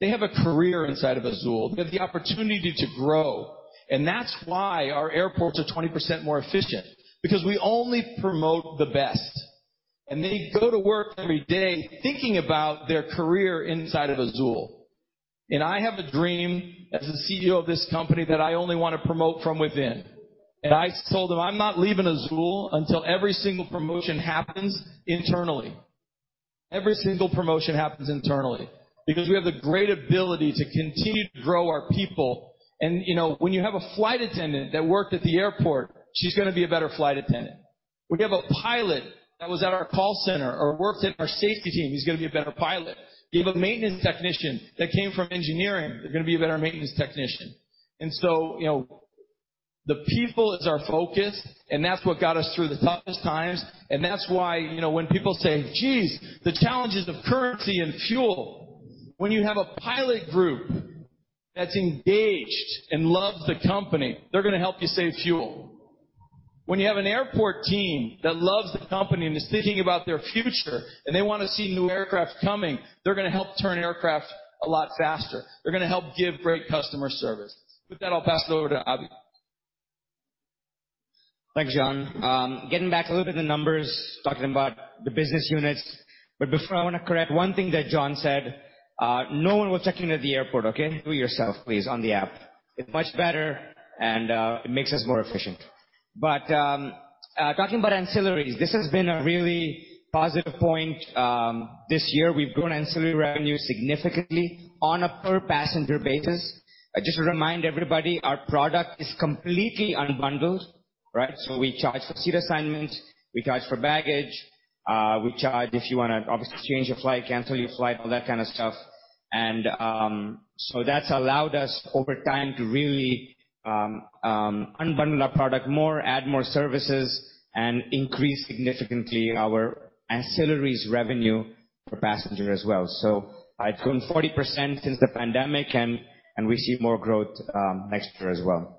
They have a career inside of Azul. They have the opportunity to grow. That's why our airports are 20% more efficient, because we only promote the best. They go to work every day thinking about their career inside of Azul. I have a dream as the CEO of this company that I only wanna promote from within. I told them, I'm not leaving Azul until every single promotion happens internally Every single promotion happens internally because we have the great ability to continue to grow our people. You know, when you have a flight attendant that worked at the airport, she's gonna be a better flight attendant. We have a pilot that was at our call center or worked in our safety team, he's gonna be a better pilot. You have a maintenance technician that came from engineering, they're gonna be a better maintenance technician. You know, the people is our focus, and that's what got us through the toughest times. That's why, you know, when people say, Jeez, the challenges of currency and fuel. When you have a pilot group that's engaged and loves the company, they're gonna help you save fuel. When you have an airport team that loves the company and is thinking about their future, and they wanna see new aircraft coming, they're gonna help turn aircraft a lot faster. They're gonna help give great customer service. With that, I'll pass it over to Abhi. Thanks, John. Getting back a little bit to the numbers, talking about the business units. Before, I wanna correct one thing that John said, no one will check you in at the airport, okay? Do it yourself, please, on the app. It's much better and it makes us more efficient. Talking about ancillaries, this has been a really positive point, this year. We've grown ancillary revenue significantly on a per passenger basis. Just to remind everybody, our product is completely unbundled, right? We charge for seat assignments, we charge for baggage, we charge if you wanna obviously change your flight, cancel your flight, all that kind of stuff. That's allowed us over time to really unbundle our product more, add more services, and increase significantly our ancillaries revenue per passenger as well. It's grown 40% since the pandemic, and we see more growth next year as well.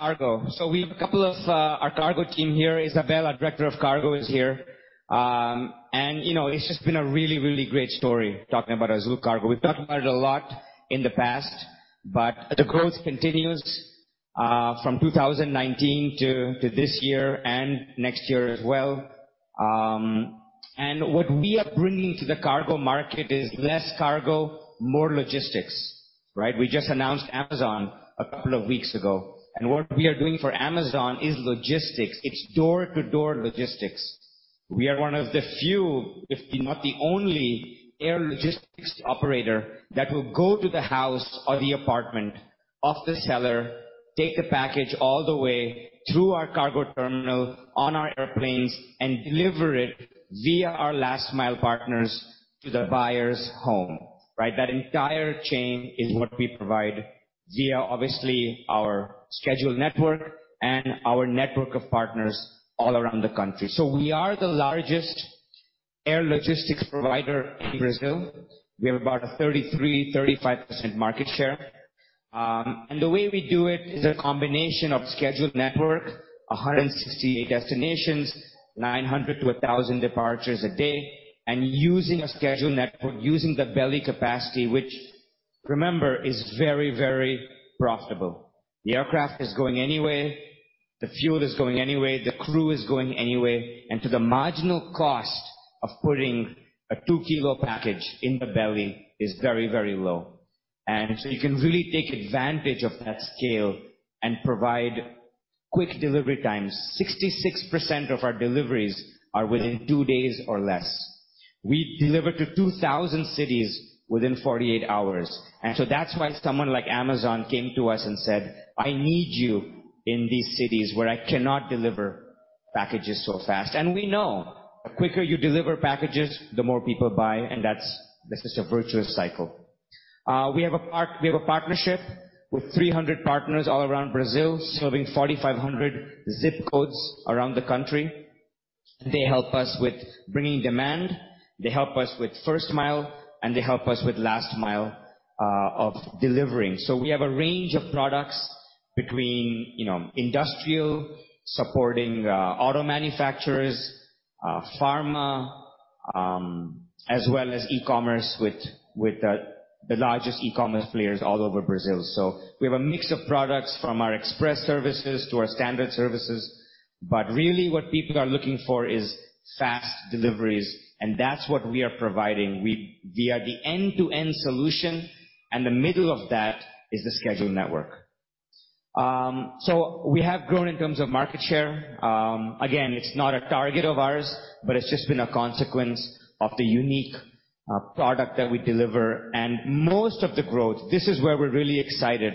Cargo. We have a couple of our cargo team here. Isabel, our director of cargo, is here. You know, it's just been a really, really great story talking about Azul Cargo. We've talked about it a lot in the past, but the growth continues from 2019 to this year and next year as well. What we are bringing to the cargo market is less cargo, more logistics, right? We just announced Amazon a couple of weeks ago, and what we are doing for Amazon is logistics. It's door-to-door logistics. We are one of the few, if not the only air logistics operator that will go to the house or the apartment of the seller, take the package all the way through our cargo terminal on our airplanes and deliver it via our last mile partners to the buyer's home, right? That entire chain is what we provide via obviously our scheduled network and our network of partners all around the country. We are the largest air logistics provider in Brazil. We have about a 33%-35% market share. And the way we do it is a combination of scheduled network, 168 destinations, 900-1,000 departures a day, and using a scheduled network, using the belly capacity, which remember, is very, very profitable. The aircraft is going anyway, the fuel is going anyway, the crew is going anyway. To the marginal cost of putting a 2-kilo package in the belly is very, very low. You can really take advantage of that scale and provide quick delivery times. 66% of our deliveries are within 2 days or less. We deliver to 2,000 cities within 48 hours. That's why someone like Amazon came to us and said, I need you in these cities where I cannot deliver packages so fast. We know the quicker you deliver packages, the more people buy, and that's. This is a virtuous cycle. We have a partnership with 300 partners all around Brazil, serving 4,500 ZIP codes around the country. They help us with bringing demand, they help us with first mile, and they help us with last mile of delivering. We have a range of products between, you know, industrial, supporting auto manufacturers, pharma, as well as e-commerce with the largest e-commerce players all over Brazil. We have a mix of products from our express services to our standard services. Really what people are looking for is fast deliveries, and that's what we are providing. We are the end-to-end solution, and the middle of that is the scheduled network. We have grown in terms of market share. Again, it's not a target of ours, but it's just been a consequence of the unique product that we deliver. Most of the growth, this is where we're really excited,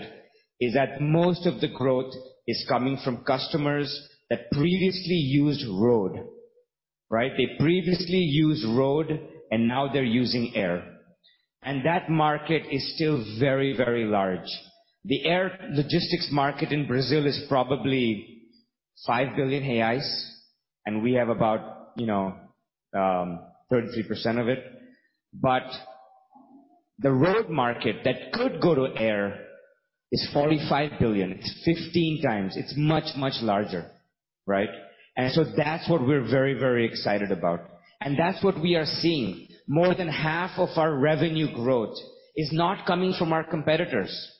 is that most of the growth is coming from customers that previously used road, right? They previously used road, and now they're using air. That market is still very, very large. The air logistics market in Brazil is probably 5 billion reais, and we have about, you know, 33% of it. But the road market that could go to air is 45 billion. It's 15 times. It's much, much larger, right? That's what we're very, very excited about. That's what we are seeing. More than half of our revenue growth is not coming from our competitors.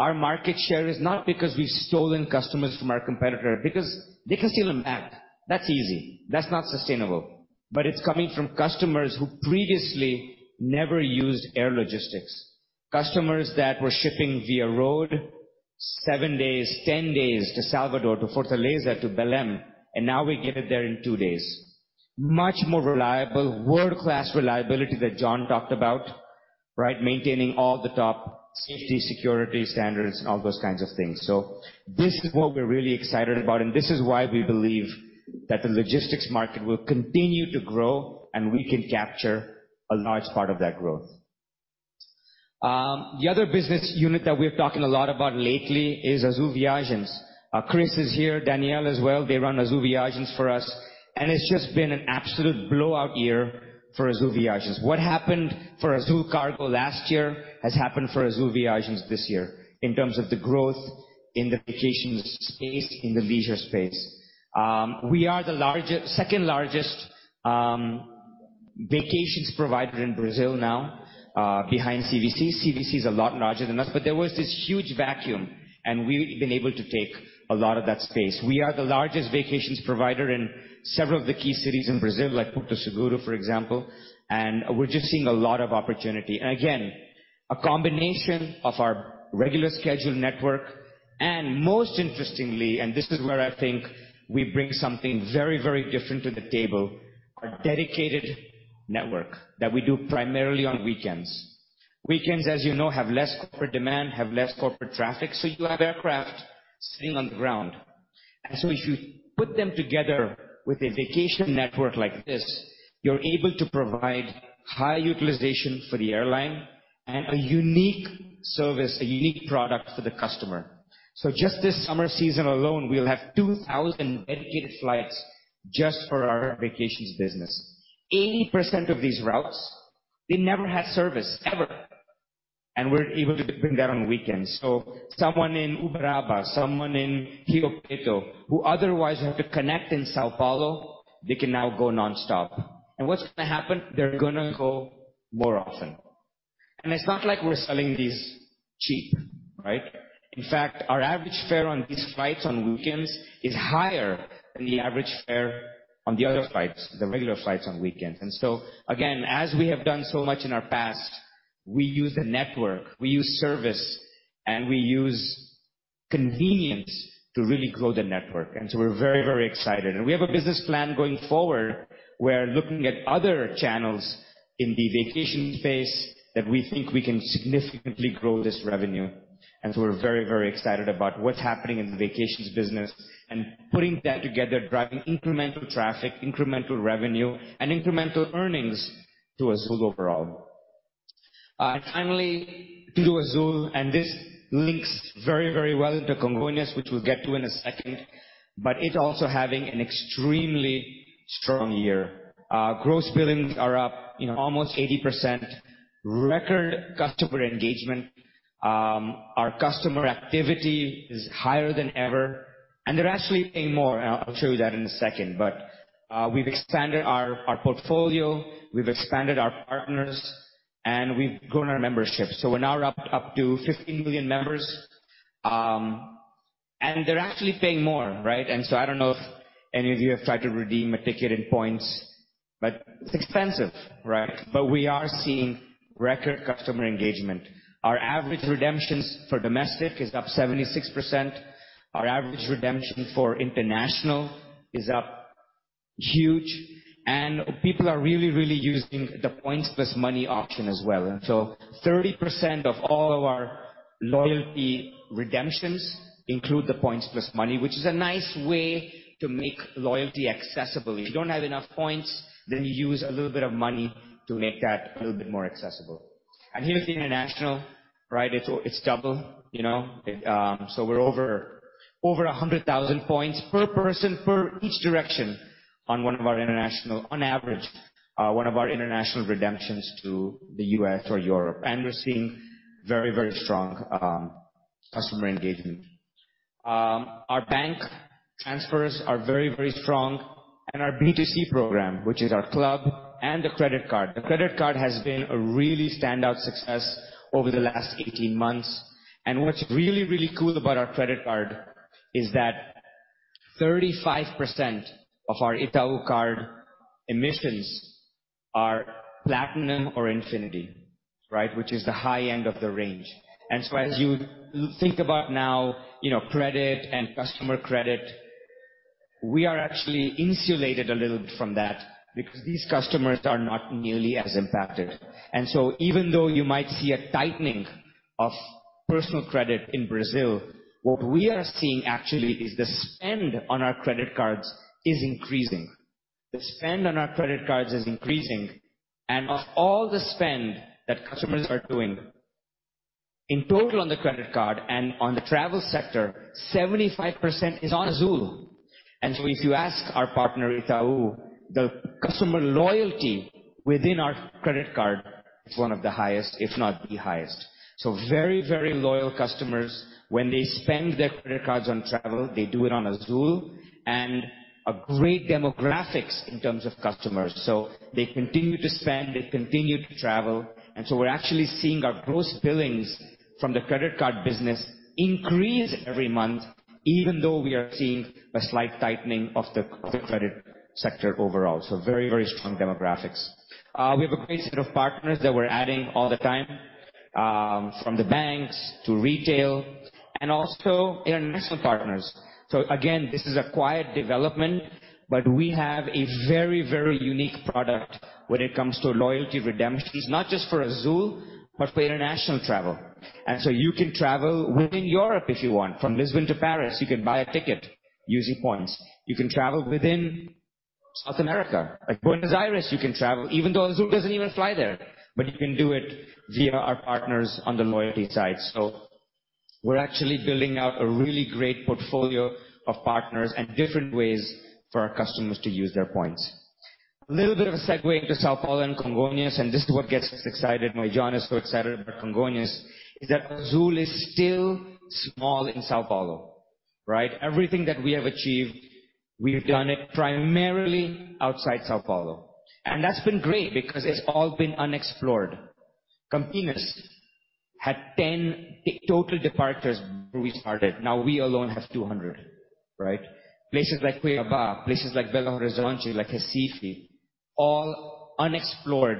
Our market share is not because we've stolen customers from our competitor because they can steal them back. That's easy. That's not sustainable. It's coming from customers who previously never used air logistics, customers that were shipping via road 7 days, 10 days to Salvador, to Fortaleza, to Belém, and now we get it there in 2 days. Much more reliable, world-class reliability that John talked about, right? Maintaining all the top safety, security standards, and all those kinds of things. This is what we're really excited about, and this is why we believe that the logistics market will continue to grow, and we can capture a large part of that growth. The other business unit that we're talking a lot about lately is Azul Viagens. Chris is here, Danielle as well. They run Azul Viagens for us, and it's just been an absolute blowout year for Azul Viagens. What happened for Azul Cargo last year has happened for Azul Viagens this year in terms of the growth in the vacation space, in the leisure space. We are the second largest vacations provider in Brazil now, behind CVC. CVC is a lot larger than us, there was this huge vacuum, and we've been able to take a lot of that space. We are the largest vacations provider in several of the key cities in Brazil, like Porto Seguro, for example, and we're just seeing a lot of opportunity. Again, a combination of our regular scheduled network and most interestingly, and this is where I think we bring something very, very different to the table, our dedicated network that we do primarily on weekends. Weekends, as you know, have less corporate demand, have less corporate traffic, so you have aircraft sitting on the ground. If you put them together with a vacation network like this, you're able to provide high utilization for the airline and a unique service, a unique product for the customer. Just this summer season alone, we'll have 2,000 dedicated flights just for our vacations business. 80% of these routes, they never had service, ever, and we're able to bring that on weekends. Someone in Uberaba, someone in Rio Preto who otherwise have to connect in São Paulo, they can now go nonstop. What's gonna happen? They're gonna go more often. It's not like we're selling these cheap, right? In fact, our average fare on these flights on weekends is higher than the average fare on the other flights, the regular flights on weekends. Again, as we have done so much in our past, we use the network, we use service, and we use convenience to really grow the network. We're very, very excited. We have a business plan going forward, we're looking at other channels in the vacation space that we think we can significantly grow this revenue. We're very, very excited about what's happening in the vacations business and putting that together, driving incremental traffic, incremental revenue, and incremental earnings to Azul overall. Finally, TudoAzul, and this links very, very well into Congonhas, which we'll get to in a second, but it also having an extremely strong year. Gross billings are up, you know, almost 80%. Record customer engagement. Our customer activity is higher than ever, and they're actually paying more, and I'll show you that in a second. We've expanded our portfolio, we've expanded our partners, and we've grown our membership. We're now up to 15 million members, and they're actually paying more, right? I don't know if any of you have tried to redeem a ticket in points, but it's expensive, right? We are seeing record customer engagement. Our average redemptions for domestic is up 76%. Our average redemption for international is up huge. People are really using the points plus money option as well. 30% of all of our loyalty redemptions include the points plus money, which is a nice way to make loyalty accessible. If you don't have enough points, you use a little bit of money to make that a little bit more accessible. Here's the international, right? It's double, you know. We're over 100,000 points per person per each direction on one of our international, on average, one of our international redemptions to the U.S. or Europe. We're seeing very, very strong customer engagement. Our bank transfers are very, very strong. Our B2C program, which is our club and the credit card. The credit card has been a really standout success over the last 18 months. What's really, really cool about our credit card is that 35% of our Itaú card emissions are Platinum or Infinity, right? Which is the high end of the range. As you think about now, you know, credit and customer credit, we are actually insulated a little bit from that because these customers are not nearly as impacted. Even though you might see a tightening of personal credit in Brazil, what we are seeing actually is the spend on our credit cards is increasing. The spend on our credit cards is increasing. Of all the spend that customers are doing in total on the credit card and on the travel sector, 75% is on Azul. If you ask our partner, Itaú, the customer loyalty within our credit card is one of the highest, if not the highest. Very, very loyal customers. When they spend their credit cards on travel, they do it on Azul. A great demographics in terms of customers. They continue to spend, they continue to travel. We're actually seeing our gross billings from the credit card business increase every month, even though we are seeing a slight tightening of the credit sector overall. Very, very strong demographics. We have a great set of partners that we're adding all the time, from the banks to retail and also international partners. Again, this is a quiet development, but we have a very, very unique product when it comes to loyalty redemptions, not just for Azul, but for international travel. You can travel within Europe if you want. From Lisbon to Paris, you can buy a ticket using points. You can travel within South America, like Buenos Aires, you can travel, even though Azul doesn't even fly there, but you can do it via our partners on the loyalty side. We're actually building out a really great portfolio of partners and different ways for our customers to use their points. A little bit of a segue into São Paulo and Congonhas. This is what gets us excited, why John is so excited about Congonhas, is that Azul is still small in São Paulo, right? Everything that we have achieved, we've done it primarily outside São Paulo. That's been great because it's all been unexplored. Campinas had 10 total departures when we started. Now we alone have 200, right? Places like Cuiabá, places like Belo Horizonte, like Recife, all unexplored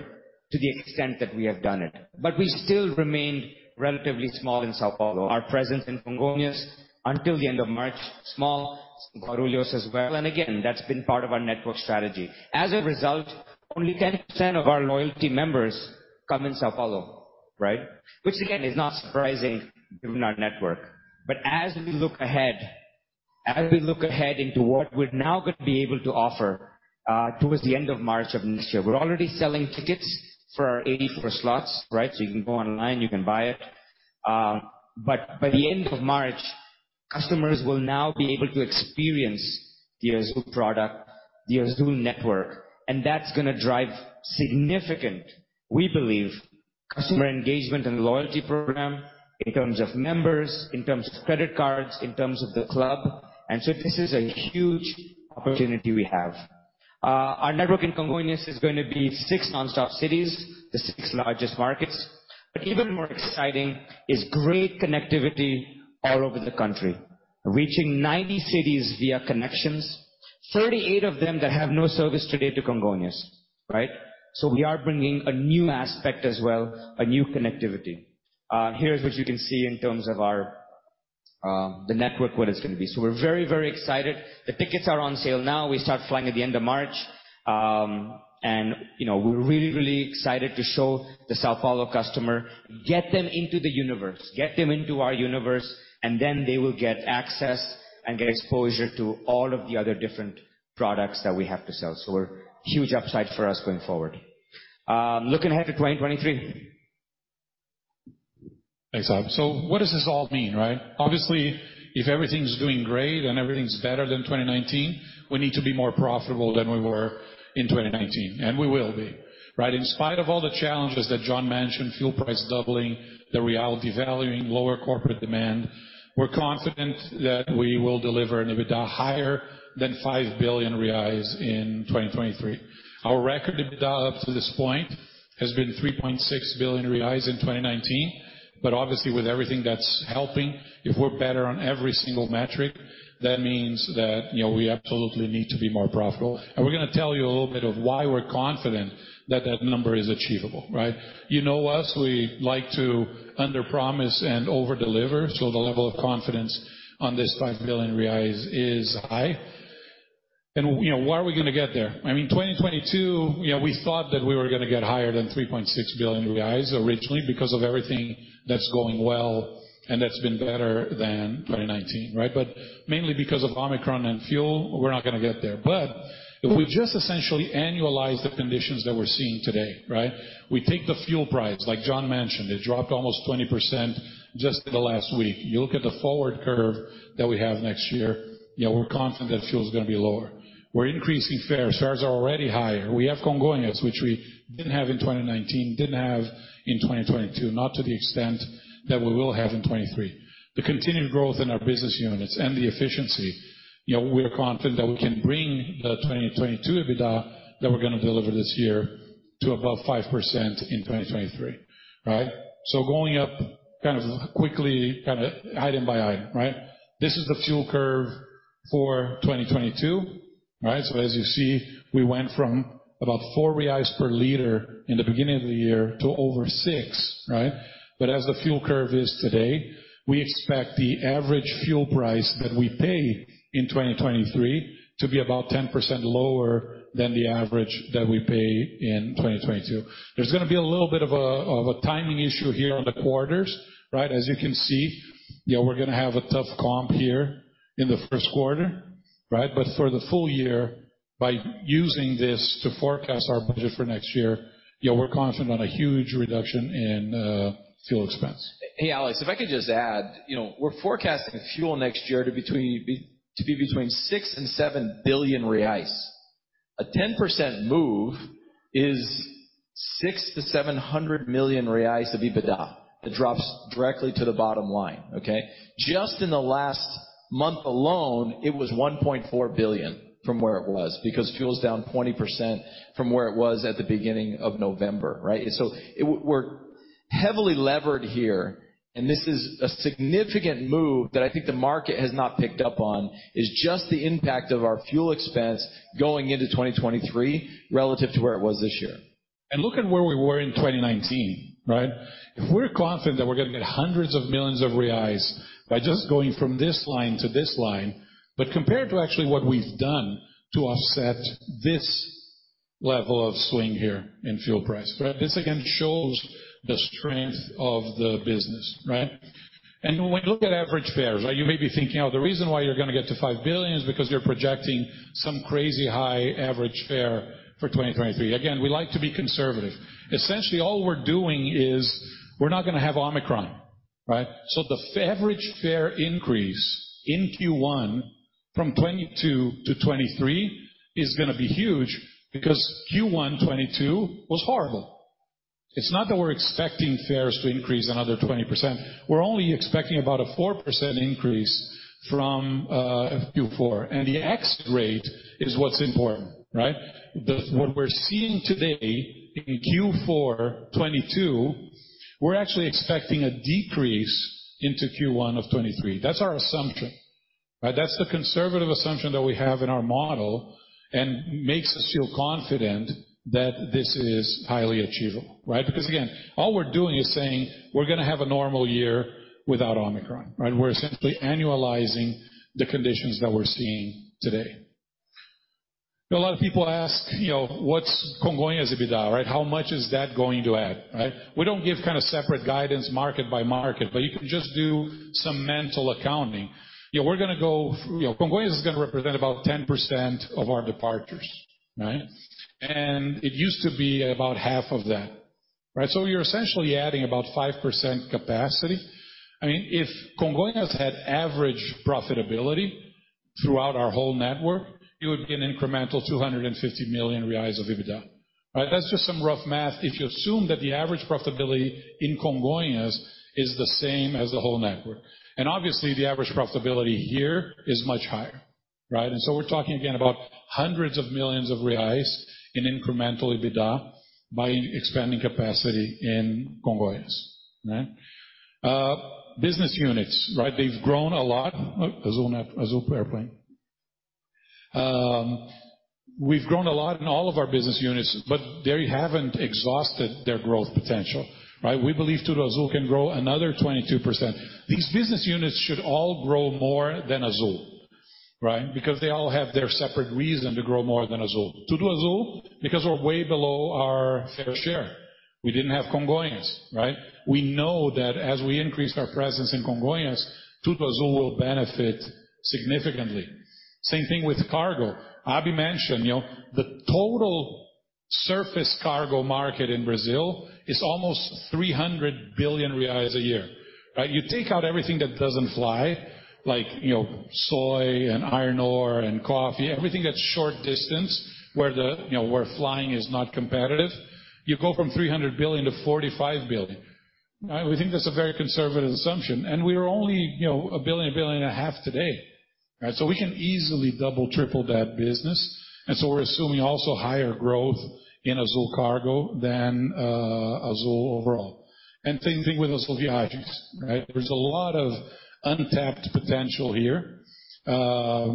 to the extent that we have done it. We still remain relatively small in São Paulo. Our presence in Congonhas until the end of March, small. São Paulo as well. Again, that's been part of our network strategy. As a result, only 10% of our loyalty members come in São Paulo, right? Which again, is not surprising given our network. As we look ahead, as we look ahead into what we're now gonna be able to offer, towards the end of March of next year, we're already selling tickets for our 84 slots, right? You can go online, you can buy it. By the end of March, customers will now be able to experience the Azul product, the Azul network, and that's gonna drive significant, we believe, customer engagement and loyalty program in terms of members, in terms of credit cards, in terms of the club. This is a huge opportunity we have. Our network in Congonhas is going to be six nonstop cities, the six largest markets. Even more exciting is great connectivity all over the country, reaching 90 cities via connections, 38 of them that have no service today to Congonhas, right? We are bringing a new aspect as well, a new connectivity. Here's what you can see in terms of our, the network, what it's gonna be. We're very, very excited. The tickets are on sale now. We start flying at the end of March. You know, we're really, really excited to show the São Paulo customer, get them into the Universe, get them into our Universe, then they will get access and get exposure to all of the other different products that we have to sell. We're huge upside for us going forward. Looking ahead to 2023. Thanks, Abhi. What does this all mean, right? Obviously, if everything's doing great and everything's better than 2019, we need to be more profitable than we were in 2019, and we will be, right? In spite of all the challenges that John mentioned, fuel price doubling, the real devaluing, lower corporate demand, we're confident that we will deliver an EBITDA higher than 5 billion reais in 2023. Our record EBITDA up to this point has been 3.6 billion reais in 2019. Obviously, with everything that's helping, if we're better on every single metric, that means that, you know, we absolutely need to be more profitable. We're gonna tell you a little bit of why we're confident that that number is achievable, right? You know us, we like to underpromise and overdeliver, so the level of confidence on this 5 billion reais is high. You know, why are we gonna get there? I mean, 2022, you know, we thought that we were gonna get higher than 3.6 billion reais originally because of everything that's going well, and that's been better than 2019, right? Mainly because of Omicron and fuel, we're not gonna get there. If we just essentially annualize the conditions that we're seeing today, right? We take the fuel price, like John mentioned, it dropped almost 20% just in the last week. You look at the forward curve that we have next year, you know, we're confident that fuel is gonna be lower. We're increasing fares. Fares are already higher. We have Congonhas, which we didn't have in 2019, didn't have in 2022, not to the extent that we will have in 2023. The continued growth in our business units and the efficiency, you know, we are confident that we can bring the 2022 EBITDA that we're gonna deliver this year to above 5% in 2023, right? Going up kind of quickly, kinda item by item, right? This is the fuel curve for 2022, right? As you see, we went from about 4 reais per liter in the beginning of the year to over 6, right? As the fuel curve is today, we expect the average fuel price that we pay in 2023 to be about 10% lower than the average that we pay in 2022. There's gonna be a little bit of a timing issue here on the quarters, right. As you can see, you know, we're gonna have a tough comp here in the first quarter, right. For the full year, by using this to forecast our budget for next year, you know, we're confident on a huge reduction in fuel expense. Hey, Alex, if I could just add, you know, we're forecasting fuel next year to be between 6 billion and 7 billion reais. A 10% move is 600 million-700 million reais of EBITDA that drops directly to the bottom line, okay? Just in the last month alone, it was 1.4 billion from where it was because fuel's down 20% from where it was at the beginning of November, right? We're heavily levered here, and this is a significant move that I think the market has not picked up on, is just the impact of our fuel expense going into 2023 relative to where it was this year. Look at where we were in 2019, right? If we're confident that we're gonna get hundreds of millions of BRL by just going from this line to this line, but compared to actually what we've done to offset this level of swing here in fuel price, right? This again shows the strength of the business, right? When we look at average fares, right, you may be thinking, oh, the reason why you're gonna get to 5 billion is because you're projecting some crazy high average fare for 2023. Again, we like to be conservative. Essentially, all we're doing is we're not gonna have Omicron, right? So the average fare increase in Q1 from 2022 to 2023 is gonna be huge because Q1 2022 was horrible. It's not that we're expecting fares to increase another 20%. We're only expecting about a 4% increase from Q4, the X rate is what's important, right? What we're seeing today in Q4 2022, we're actually expecting a decrease into Q1 of 2023. That's our assumption, right? That's the conservative assumption that we have in our model makes us feel confident that this is highly achievable, right? Again, all we're doing is saying we're gonna have a normal year without Omicron, right? We're essentially annualizing the conditions that we're seeing today. A lot of people ask, you know, what's Congonhas EBITDA, right? How much is that going to add, right? We don't give kinda separate guidance market by market, you can just do some mental accounting. Yeah, you know, Congonhas is gonna represent about 10% of our departures, right? It used to be about half of that, right? We're essentially adding about 5% capacity. I mean, if Congonhas had average profitability throughout our whole network, it would be an incremental 250 million reais of EBITDA, right? That's just some rough math if you assume that the average profitability in Congonhas is the same as the whole network. Obviously, the average profitability here is much higher, right? We're talking again about hundreds of millions of BRL in incremental EBITDA by expanding capacity in Congonhas, right? Business units, right? They've grown a lot. Azul airplane. We've grown a lot in all of our business units, but they haven't exhausted their growth potential, right? We believe TudoAzul can grow another 22%. These business units should all grow more than Azul, right? Because they all have their separate reason to grow more than Azul. TudoAzul, because we're way below our fair share. We didn't have Congonhas, right? We know that as we increase our presence in Congonhas, TudoAzul will benefit significantly. Same thing with cargo. Abhi mentioned, you know, the total surface cargo market in Brazil is almost 300 billion reais a year, right? You take out everything that doesn't fly, like, you know, soy and iron ore and coffee, everything that's short distance, where, you know, flying is not competitive. You go from 300 billion to 45 billion. We think that's a very conservative assumption, we're only, you know, 1 billion, a billion and a half today, right? We can easily double, triple that business, we're assuming also higher growth in Azul Cargo than Azul overall. Same thing with Azul Viagens, right? There's a lot of untapped potential here. You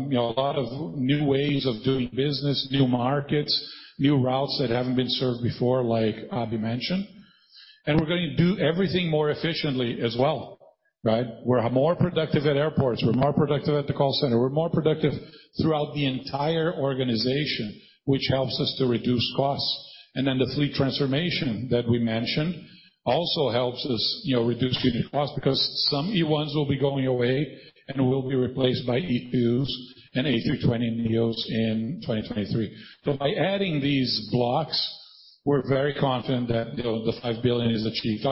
know, a lot of new ways of doing business, new markets, new routes that haven't been served before, like Abhi mentioned. We're gonna do everything more efficiently as well, right? We're more productive at airports. We're more productive at the call center. We're more productive throughout the entire organization, which helps us to reduce costs. The fleet transformation that we mentioned also helps us, you know, reduce unit costs because some E1s will be going away and will be replaced by E2s and A220neos in 2023. By adding these blocks, we're very confident that, you know, the 5 billion is achieved.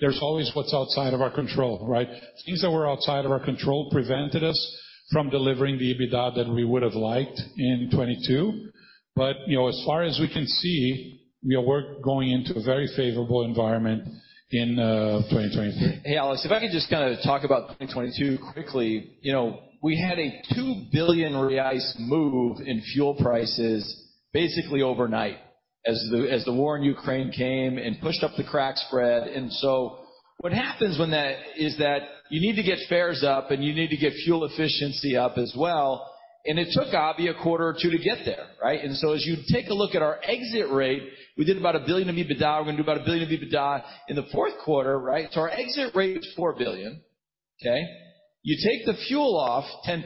There's always what's outside of our control, right? Things that were outside of our control prevented us from delivering the EBITDA that we would've liked in 2022. you know, as far as we can see, you know, we're going into a very favorable environment in, 2023. Hey, Alex, if I could just kinda talk about 2022 quickly. You know, we had a 2 billion reais move in fuel prices basically overnight as the war in Ukraine came and pushed up the crack spread. What happens when that is that you need to get fares up, and you need to get fuel efficiency up as well, and it took Abhi a quarter or two to get there, right? As you take a look at our exit rate, we did about 1 billion BRL in EBITDA. We're gonna do about 1 billion BRL in EBITDA in the fourth quarter, right? Our exit rate is 4 billion BRL, okay? You take the fuel off 10%,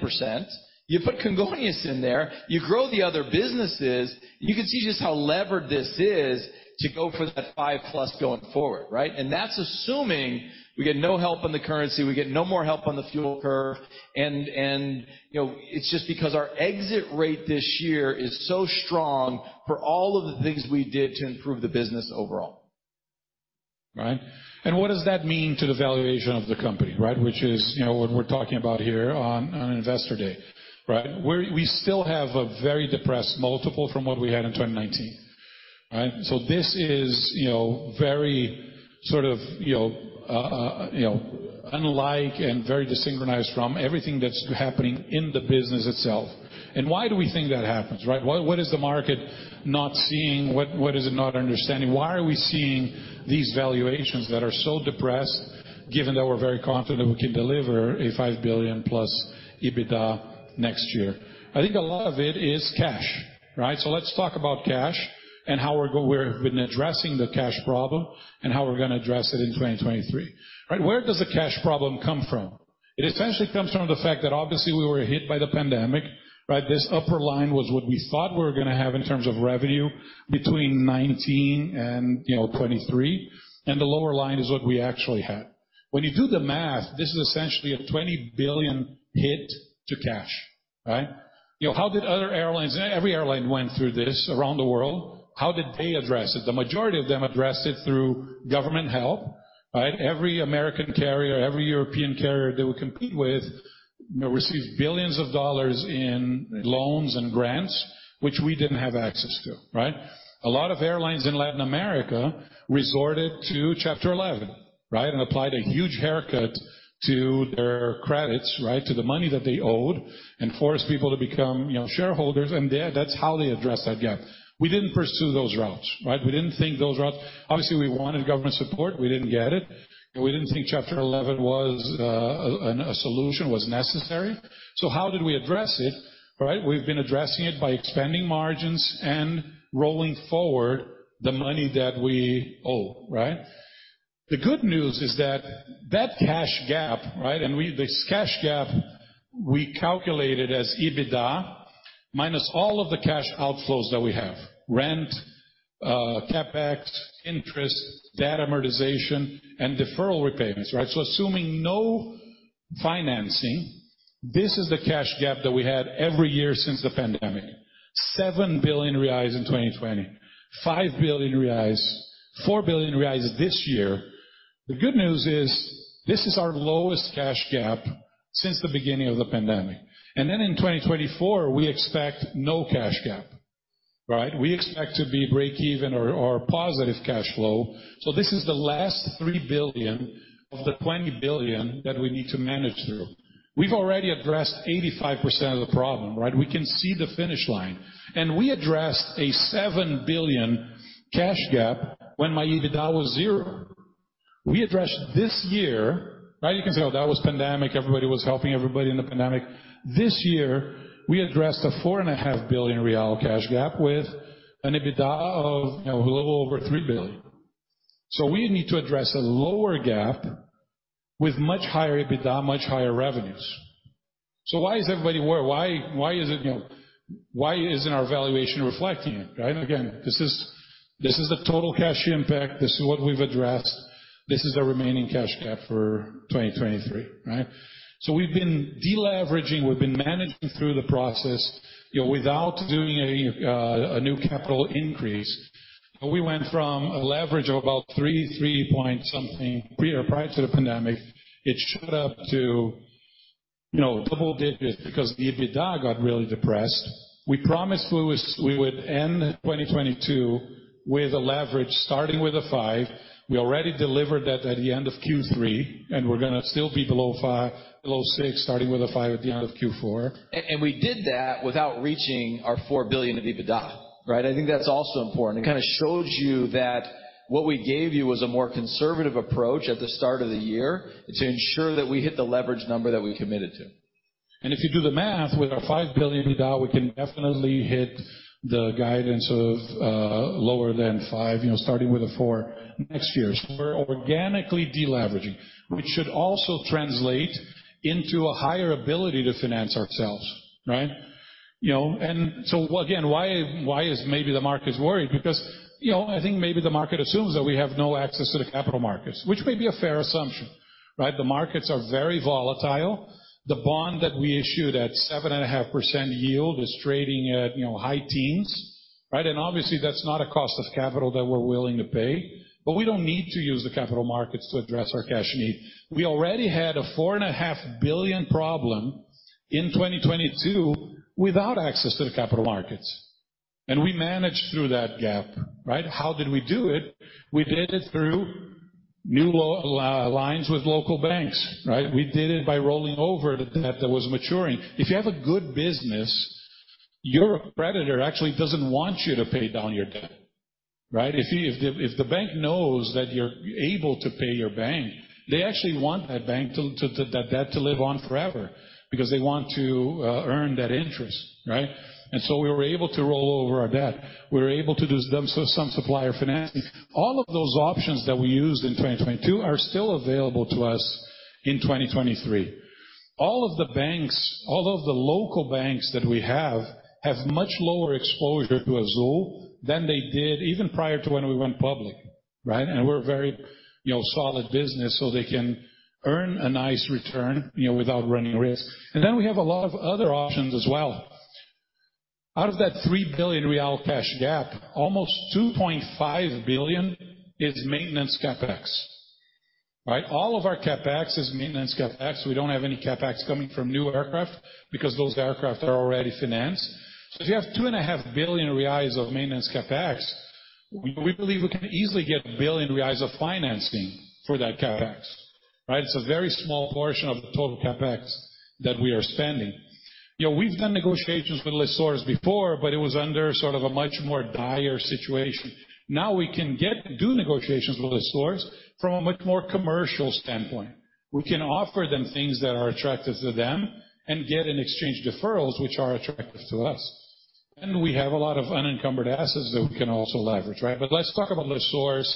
you put Congonhas in there, you grow the other businesses, you can see just how levered this is to go for that five-plus going forward, right? That's assuming we get no help on the currency, we get no more help on the fuel curve, and, you know, it's just because our exit rate this year is so strong for all of the things we did to improve the business overall. Right. What does that mean to the valuation of the company, right? Which is, you know, what we're talking about here on Investor Day, right? We still have a very depressed multiple from what we had in 2019, right? This is, you know, very sort of, you know, unlike and very desynchronized from everything that's happening in the business itself. Why do we think that happens, right? What is the market not seeing? What is it not understanding? Why are we seeing these valuations that are so depressed given that we're very confident we can deliver a 5 billion-plus EBITDA next year? I think a lot of it is cash, right? Let's talk about cash and how we've been addressing the cash problem and how we're gonna address it in 2023, right? Where does the cash problem come from? It essentially comes from the fact that obviously we were hit by the pandemic, right? This upper line was what we thought we were gonna have in terms of revenue between 2019 and, you know, 2023, and the lower line is what we actually had. When you do the math, this is essentially a $20 billion hit to cash, right? You know, how did other airlines? Every airline went through this around the world. How did they address it? The majority of them addressed it through government help, right? Every American carrier, every European carrier they would compete with, you know, received billions of dollars in loans and grants, which we didn't have access to, right? A lot of airlines in Latin America resorted to Chapter 11, right, and applied a huge haircut to their credits, right, to the money that they owed, and forced people to become, you know, shareholders, that's how they addressed that gap. We didn't pursue those routes, right? We didn't think those routes. Obviously, we wanted government support. We didn't get it. We didn't think Chapter 11 was a solution was necessary. How did we address it, right? We've been addressing it by expanding margins and rolling forward the money that we owe, right? The good news is that that cash gap, right? This cash gap we calculated as EBITDA minus all of the cash outflows that we have. Rent, CapEx, interest, debt amortization, and deferral repayments, right? Assuming no financing, this is the cash gap that we had every year since the pandemic. 7 billion reais in 2020, 5 billion reais, 4 billion reais this year. The good news is this is our lowest cash gap since the beginning of the pandemic. In 2024, we expect no cash gap, right? We expect to be break-even or positive cash flow. This is the last 3 billion of the 20 billion that we need to manage through. We've already addressed 85% of the problem, right? We can see the finish line. We addressed a 7 billion cash gap when my EBITDA was 0. We addressed this year, right? You can say, Well, that was pandemic. Everybody was helping everybody in the pandemic. This year, we addressed a four and a half billion BRL cash gap with an EBITDA of, you know, a little over 3 billion. We need to address a lower gap with much higher EBITDA, much higher revenues. Why is everybody worried? Why is it, you know, why isn't our valuation reflecting it, right? Again, this is the total cash impact. This is what we've addressed. This is our remaining cash gap for 2023, right? We've been de-leveraging, we've been managing through the process, you know, without doing a new capital increase. We went from a leverage of about three point something pre or prior to the pandemic. It shot up to, you know, double digits because the EBITDA got really depressed. We promised we would end 2022 with a leverage starting with a 5. We already delivered that at the end of Q3. We're gonna still be below 6, starting with a 5 at the end of Q4. We did that without reaching our 4 billion EBITDA, right? I think that's also important. It kinda shows you that what we gave you was a more conservative approach at the start of the year to ensure that we hit the leverage number that we committed to. If you do the math, with our BRL 5 billion EBITDA, we can definitely hit the guidance of lower than 5, you know, starting with a 4 next year. We're organically de-leveraging, which should also translate into a higher ability to finance ourselves, right? You know, again, why is maybe the market worried? I think maybe the market assumes that we have no access to the capital markets, which may be a fair assumption, right? The markets are very volatile. The bond that we issued at 7.5% yield is trading at, you know, high teens, right? Obviously, that's not a cost of capital that we're willing to pay. We don't need to use the capital markets to address our cash need. We already had a four and a half billion problem in 2022 without access to the capital markets. We managed through that gap, right? How did we do it? We did it through new lines with local banks, right? We did it by rolling over the debt that was maturing. If you have a good business, your creditor actually doesn't want you to pay down your debt, right? If the bank knows that you're able to pay your bank, they actually want that bank to that debt to live on forever because they want to earn that interest, right? We were able to roll over our debt. We were able to do some supplier financing. All of those options that we used in 2022 are still available to us in 2023. All of the banks, all of the local banks that we have much lower exposure to Azul than they did even prior to when we went public, right? We're a very, you know, solid business, so they can earn a nice return, you know, without running risks. We have a lot of other options as well. Out of that 3 billion real cash gap, almost 2.5 billion is maintenance CapEx, right? All of our CapEx is maintenance CapEx. We don't have any CapEx coming from new aircraft because those aircraft are already financed. If you have two and a half billion reais of maintenance CapEx, we believe we can easily get 1 billion reais of financing for that CapEx, right? It's a very small portion of the total CapEx that we are spending. You know, we've done negotiations with lessors before, but it was under sort of a much more dire situation. Now we can do negotiations with lessors from a much more commercial standpoint. We can offer them things that are attractive to them and get in exchange deferrals which are attractive to us. We have a lot of unencumbered assets that we can also leverage, right? Let's talk about lessors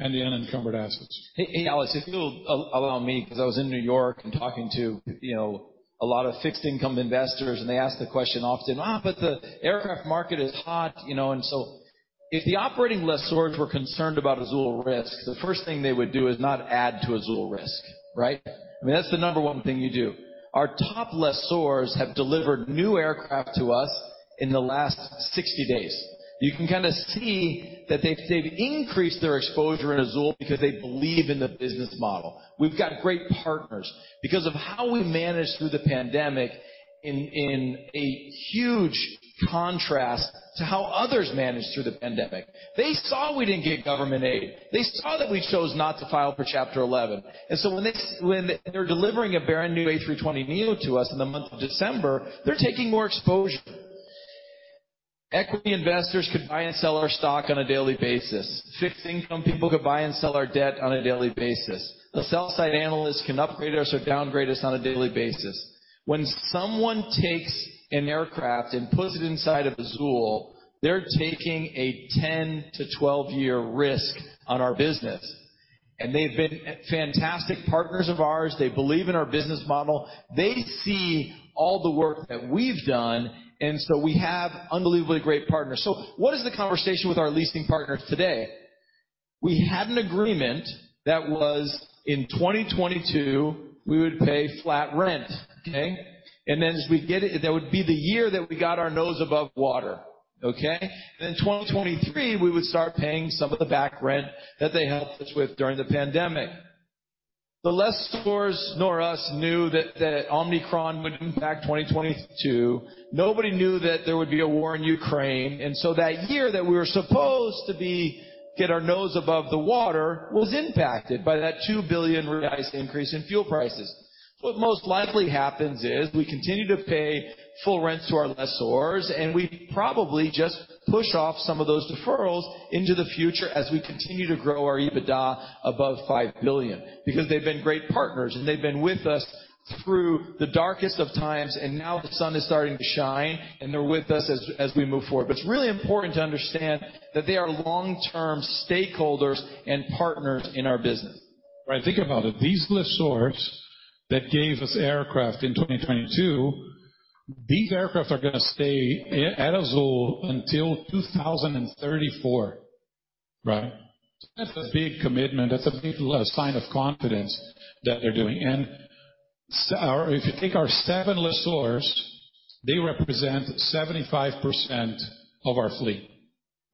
and the unencumbered assets. Hey, Alex, if you'll allow me, 'cause I was in New York and talking to, you know, a lot of fixed income investors, they ask the question often, 'But the aircraft market is hot, you know?' If the operating lessors were concerned about Azul risk, the first thing they would do is not add to Azul risk, right? I mean, that's the number 1 thing you do. Our top lessors have delivered new aircraft to us in the last 60 days. You can kind of see that they've increased their exposure in Azul because they believe in the business model. We've got great partners because of how we managed through the pandemic in a huge contrast to how others managed through the pandemic. They saw we didn't get government aid. They saw that we chose not to file for Chapter 11. When they're delivering a brand-new A320neo to us in the month of December, they're taking more exposure. Equity investors could buy and sell our stock on a daily basis. Fixed income people could buy and sell our debt on a daily basis. A sell side analyst can upgrade us or downgrade us on a daily basis. When someone takes an aircraft and puts it inside of Azul, they're taking a 10 to 12 year risk on our business. They've been fantastic partners of ours. They believe in our business model. They see all the work that we've done, we have unbelievably great partners. What is the conversation with our leasing partners today? We had an agreement that was in 2022, we would pay flat rent, okay? Then that would be the year that we got our nose above water, okay. Then in 2023, we would start paying some of the back rent that they helped us with during the pandemic. The lessors nor us knew that Omicron would impact 2022. Nobody knew that there would be a war in Ukraine. That year that we were supposed to be get our nose above the water was impacted by that 2 billion increase in fuel prices. What most likely happens is we continue to pay full rent to our lessors, and we probably just push off some of those deferrals into the future as we continue to grow our EBITDA above 5 billion. They've been great partners, and they've been with us through the darkest of times, and now the sun is starting to shine, and they're with us as we move forward. It's really important to understand that they are long-term stakeholders and partners in our business. Right. Think about it. These lessors that gave us aircraft in 2022, these aircraft are gonna stay at Azul until 2034, right? That's a big commitment. That's a big sign of confidence that they're doing. If you take our seven lessors, they represent 75% of our fleet,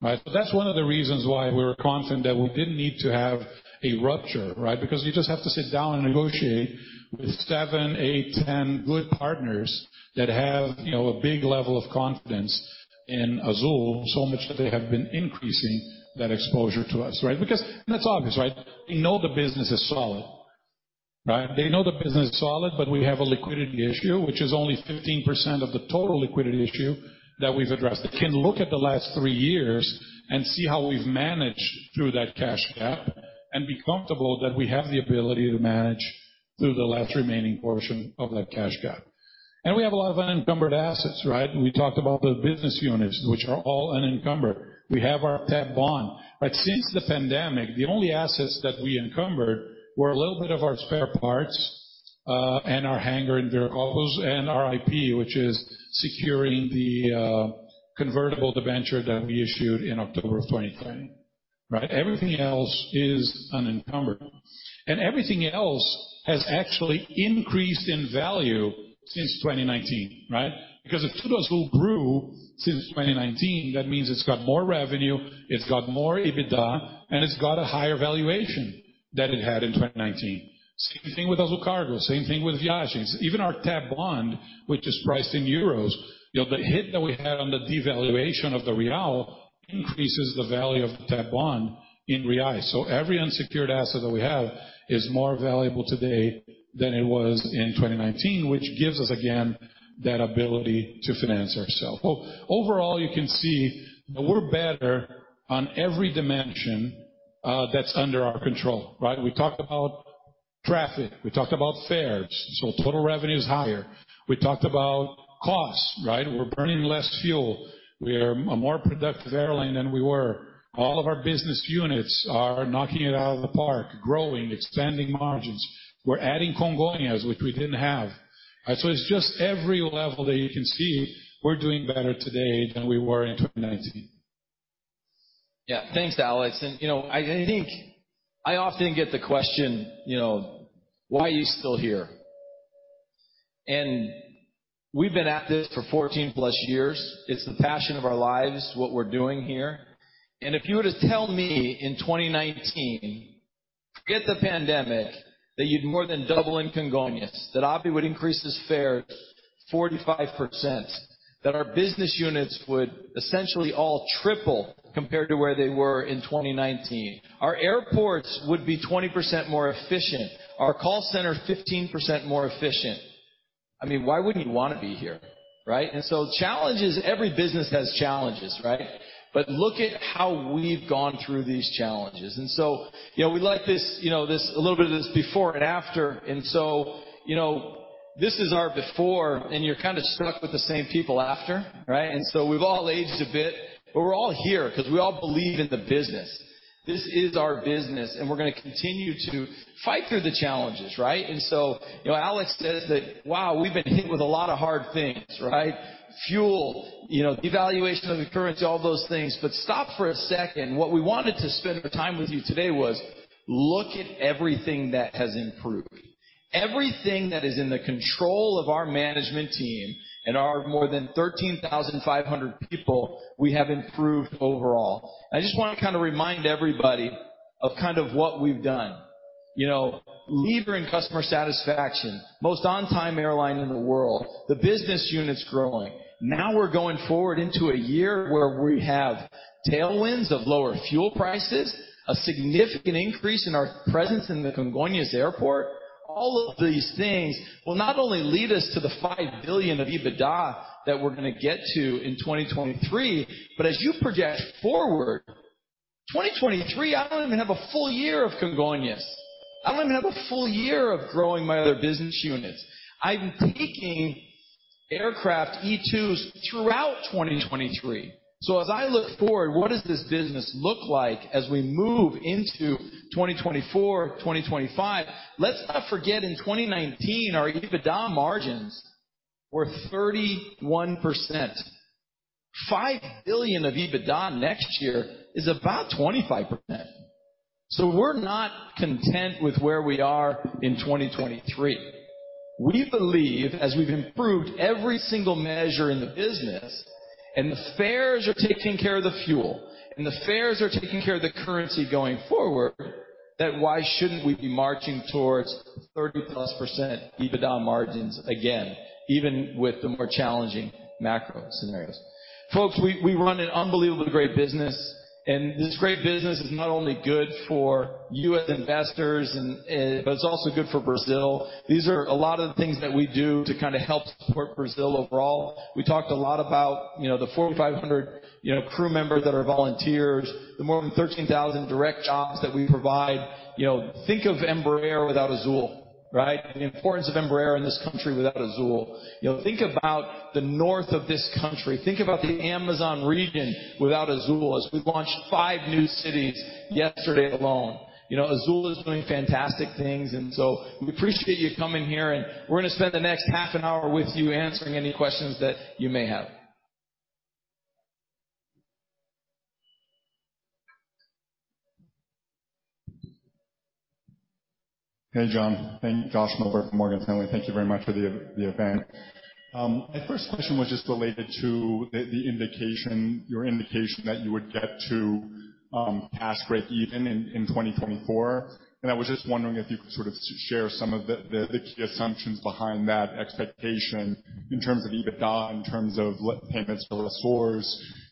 right? That's one of the reasons why we were confident that we didn't need to have a rupture, right? You just have to sit down and negotiate with seven, eight, 10 good partners that have, you know, a big level of confidence in Azul, so much that they have been increasing that exposure to us, right? That's obvious, right? They know the business is solid, right? They know the business is solid. We have a liquidity issue, which is only 15% of the total liquidity issue that we've addressed. They can look at the last three years and see how we've managed through that cash gap and be comfortable that we have the ability to manage through the last remaining portion of that cash gap. We have a lot of unencumbered assets, right? We talked about the business units, which are all unencumbered. We have our TAP bond, right? Since the pandemic, the only assets that we encumbered were a little bit of our spare parts and our hangar in Viracopos and our IP, which is securing the convertible debenture that we issued in October of 2020, right? Everything else is unencumbered. Everything else has actually increased in value since 2019, right? Because if TudoAzul grew since 2019, that means it's got more revenue, it's got more EBITDA, and it's got a higher valuation than it had in 2019. Same thing with Azul Cargo, same thing with Viagens. Even our TAP bond, which is priced in euros, you know, the hit that we had on the devaluation of the real increases the value of the TAP bond in reais. Every unsecured asset that we have is more valuable today than it was in 2019, which gives us again, that ability to finance ourselves. Well, overall, you can see that we're better on every dimension that's under our control, right? We talked about traffic. We talked about fares. Total revenue is higher. We talked about costs, right? We're burning less fuel. We are a more productive airline than we were. All of our business units are knocking it out of the park, growing, expanding margins. We're adding Congonhas, which we didn't have. It's just every level that you can see we're doing better today than we were in 2019. Yeah. Thanks, Alex. You know, I think I often get the question, you know, Why are you still here? We've been at this for 14+ years. It's the passion of our lives, what we're doing here. If you were to tell me in 2019, forget the pandemic, that you'd more than double in Congonhas, that Abhi would increase his fares 45%, that our business units would essentially all triple compared to where they were in 2019. Our airports would be 20% more efficient, our call center 15% more efficient. I mean, why wouldn't you wanna be here, right? Challenges, every business has challenges, right? Look at how we've gone through these challenges. You know, we like this, you know, this a little bit of this before and after. You know, This is our before, and you're kind of stuck with the same people after, right? We've all aged a bit, but we're all here because we all believe in the business. This is our business, and we're gonna continue to fight through the challenges, right? You know, Alex says that, wow, we've been hit with a lot of hard things, right? Fuel, you know, devaluation of the currency, all those things. Stop for a second. What we wanted to spend our time with you today was look at everything that has improved. Everything that is in the control of our management team and our more than 13,500 people, we have improved overall. I just wanna kind of remind everybody of kind of what we've done. You know, leader in customer satisfaction, most on-time airline in the world, the business unit's growing. We're going forward into a year where we have tailwinds of lower fuel prices, a significant increase in our presence in the Congonhas Airport. All of these things will not only lead us to the 5 billion of EBITDA that we're gonna get to in 2023, but as you project forward, 2023, I don't even have a full year of Congonhas. I don't even have a full year of growing my other business units. I'm taking aircraft E2s throughout 2023. As I look forward, what does this business look like as we move into 2024, 2025? Let's not forget, in 2019, our EBITDA margins were 31%. 5 billion of EBITDA next year is about 25%. We're not content with where we are in 2023. We believe as we've improved every single measure in the business, and the fares are taking care of the fuel, and the fares are taking care of the currency going forward, that why shouldn't we be marching towards 30+% EBITDA margins again, even with the more challenging macro scenarios. Folks, we run an unbelievably great business, and this great business is not only good for U.S. investors and, but it's also good for Brazil. These are a lot of the things that we do to kind of help support Brazil overall. We talked a lot about, you know, the 4,500, you know, crew members that are volunteers, the more than 13,000 direct jobs that we provide. You know, think of Embraer without Azul, right? The importance of Embraer in this country without Azul. You know, think about the north of this country, think about the Amazon region without Azul, as we launched five new cities yesterday alone. You know, Azul is doing fantastic things. We appreciate you coming here, and we're gonna spend the next half an hour with you answering any questions that you may have. Hey, John. Thank you. Josh Milberg from Morgan Stanley. Thank you very much for the event. My first question was just related to your indication that you would get to cash break even in 2024. I was just wondering if you could sort of share some of the key assumptions behind that expectation in terms of EBITDA, in terms of payments to lessors,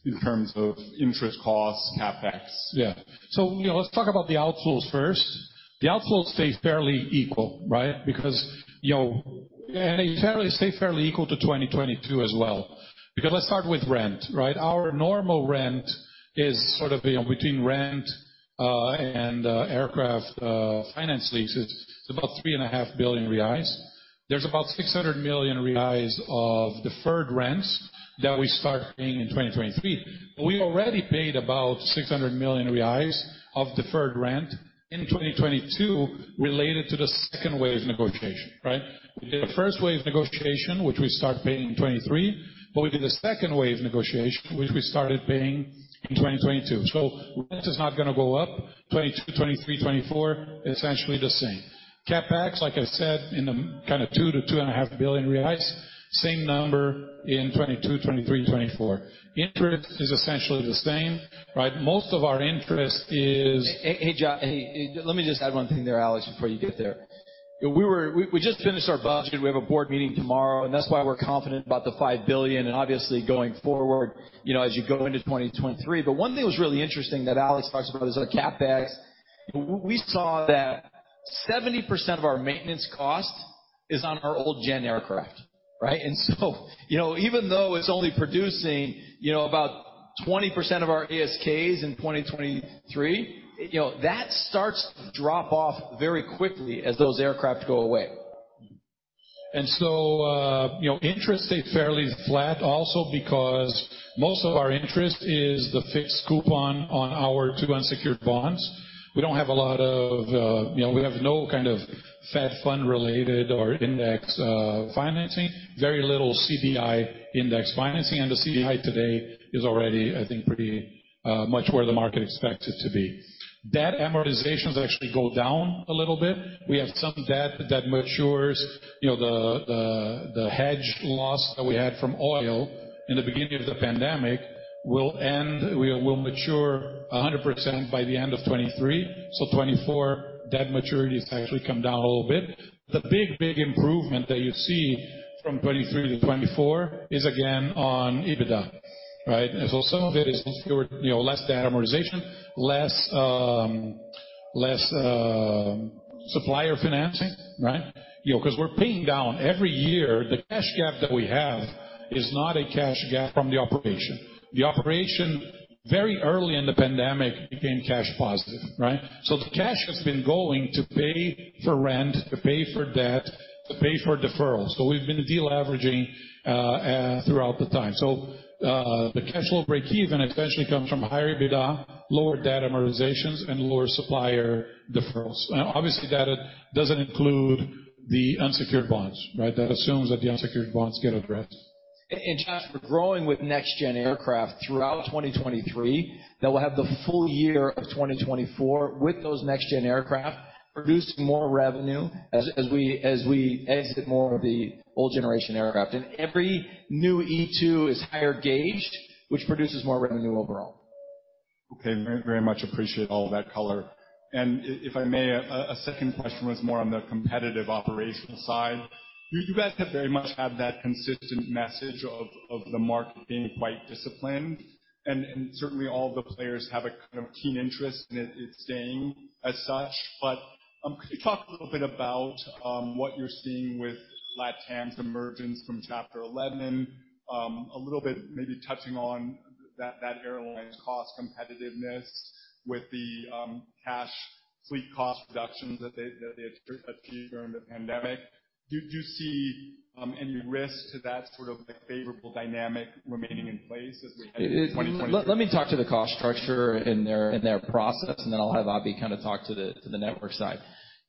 in terms of interest costs, CapEx. Yeah. You know, let's talk about the outflows first. The outflows stay fairly equal, right? You know, they stay fairly equal to 2022 as well. Let's start with rent, right? Our normal rent is sort of, you know, between rent and aircraft finance leases, it's about 3.5 billion reais. There's about 600 million reais of deferred rents that we start paying in 2023. We already paid about 600 million reais of deferred rent in 2022 related to the second wave negotiation, right? We did a first wave negotiation, which we start paying in 2023, we did a second wave negotiation, which we started paying in 2022. Rent is not gonna go up, 2022, 2023, 2024, essentially the same. CapEx, like I said, in the kinda 2 billion-2.5 billion reais, same number in 2022, 2023, 2024. Interest is essentially the same, right? Most of our interest is. Hey, John. Hey, let me just add one thing there, Alex, before you get there. We just finished our budget. We have a board meeting tomorrow. That's why we're confident about the 5 billion and obviously going forward, you know, as you go into 2023. One thing that was really interesting that Alex talks about is our CapEx. We saw that 70% of our maintenance cost is on our old gen aircraft, right? You know, even though it's only producing, you know, about 20% of our ASKs in 2023, you know, that starts to drop off very quickly as those aircraft go away. You know, interest stayed fairly flat also because most of our interest is the fixed coupon on our two unsecured bonds. We don't have a lot of, you know, we have no kind of Fed funds related or index financing, very little CDI index financing, and the CDI today is already, I think, pretty much where the market expects it to be. Debt amortizations actually go down a little bit. We have some debt that matures. You know, the hedge loss that we had from oil in the beginning of the pandemic will mature 100% by the end of 2023. 2024, debt maturities actually come down a little bit. The big improvement that you see from 2023 to 2024 is again on EBITDA, right? Some of it is secured, you know, less debt amortization, less. Less, supplier financing, right? You know, because we're paying down every year. The cash gap that we have is not a cash gap from the operation. The operation very early in the pandemic became cash positive, right? The cash has been going to pay for rent, to pay for debt, to pay for deferral. We've been deleveraging throughout the time. The cash flow breakeven essentially comes from higher EBITDA, lower debt amortizations, and lower supplier deferrals. Obviously, that doesn't include the unsecured bonds, right? That assumes that the unsecured bonds get addressed. Josh, we're growing with next-gen aircraft throughout 2023. Now we'll have the full year of 2024 with those next-gen aircraft producing more revenue as we exit more of the old generation aircraft. Every new E2 is higher gauged, which produces more revenue overall. Okay. Very much appreciate all of that color. If I may, a second question was more on the competitive operational side. You guys have very much had that consistent message of the market being quite disciplined, and certainly all the players have a kind of keen interest in it staying as such. Could you talk a little bit about what you're seeing with LATAM's emergence from Chapter 11, a little bit maybe touching on that airline's cost competitiveness with the cash fleet cost reductions that they achieved during the pandemic. Do you see any risk to that sort of like favorable dynamic remaining in place as we head into 2023? Let me talk to the cost structure and their process, then I'll have Abhi kind of talk to the network side.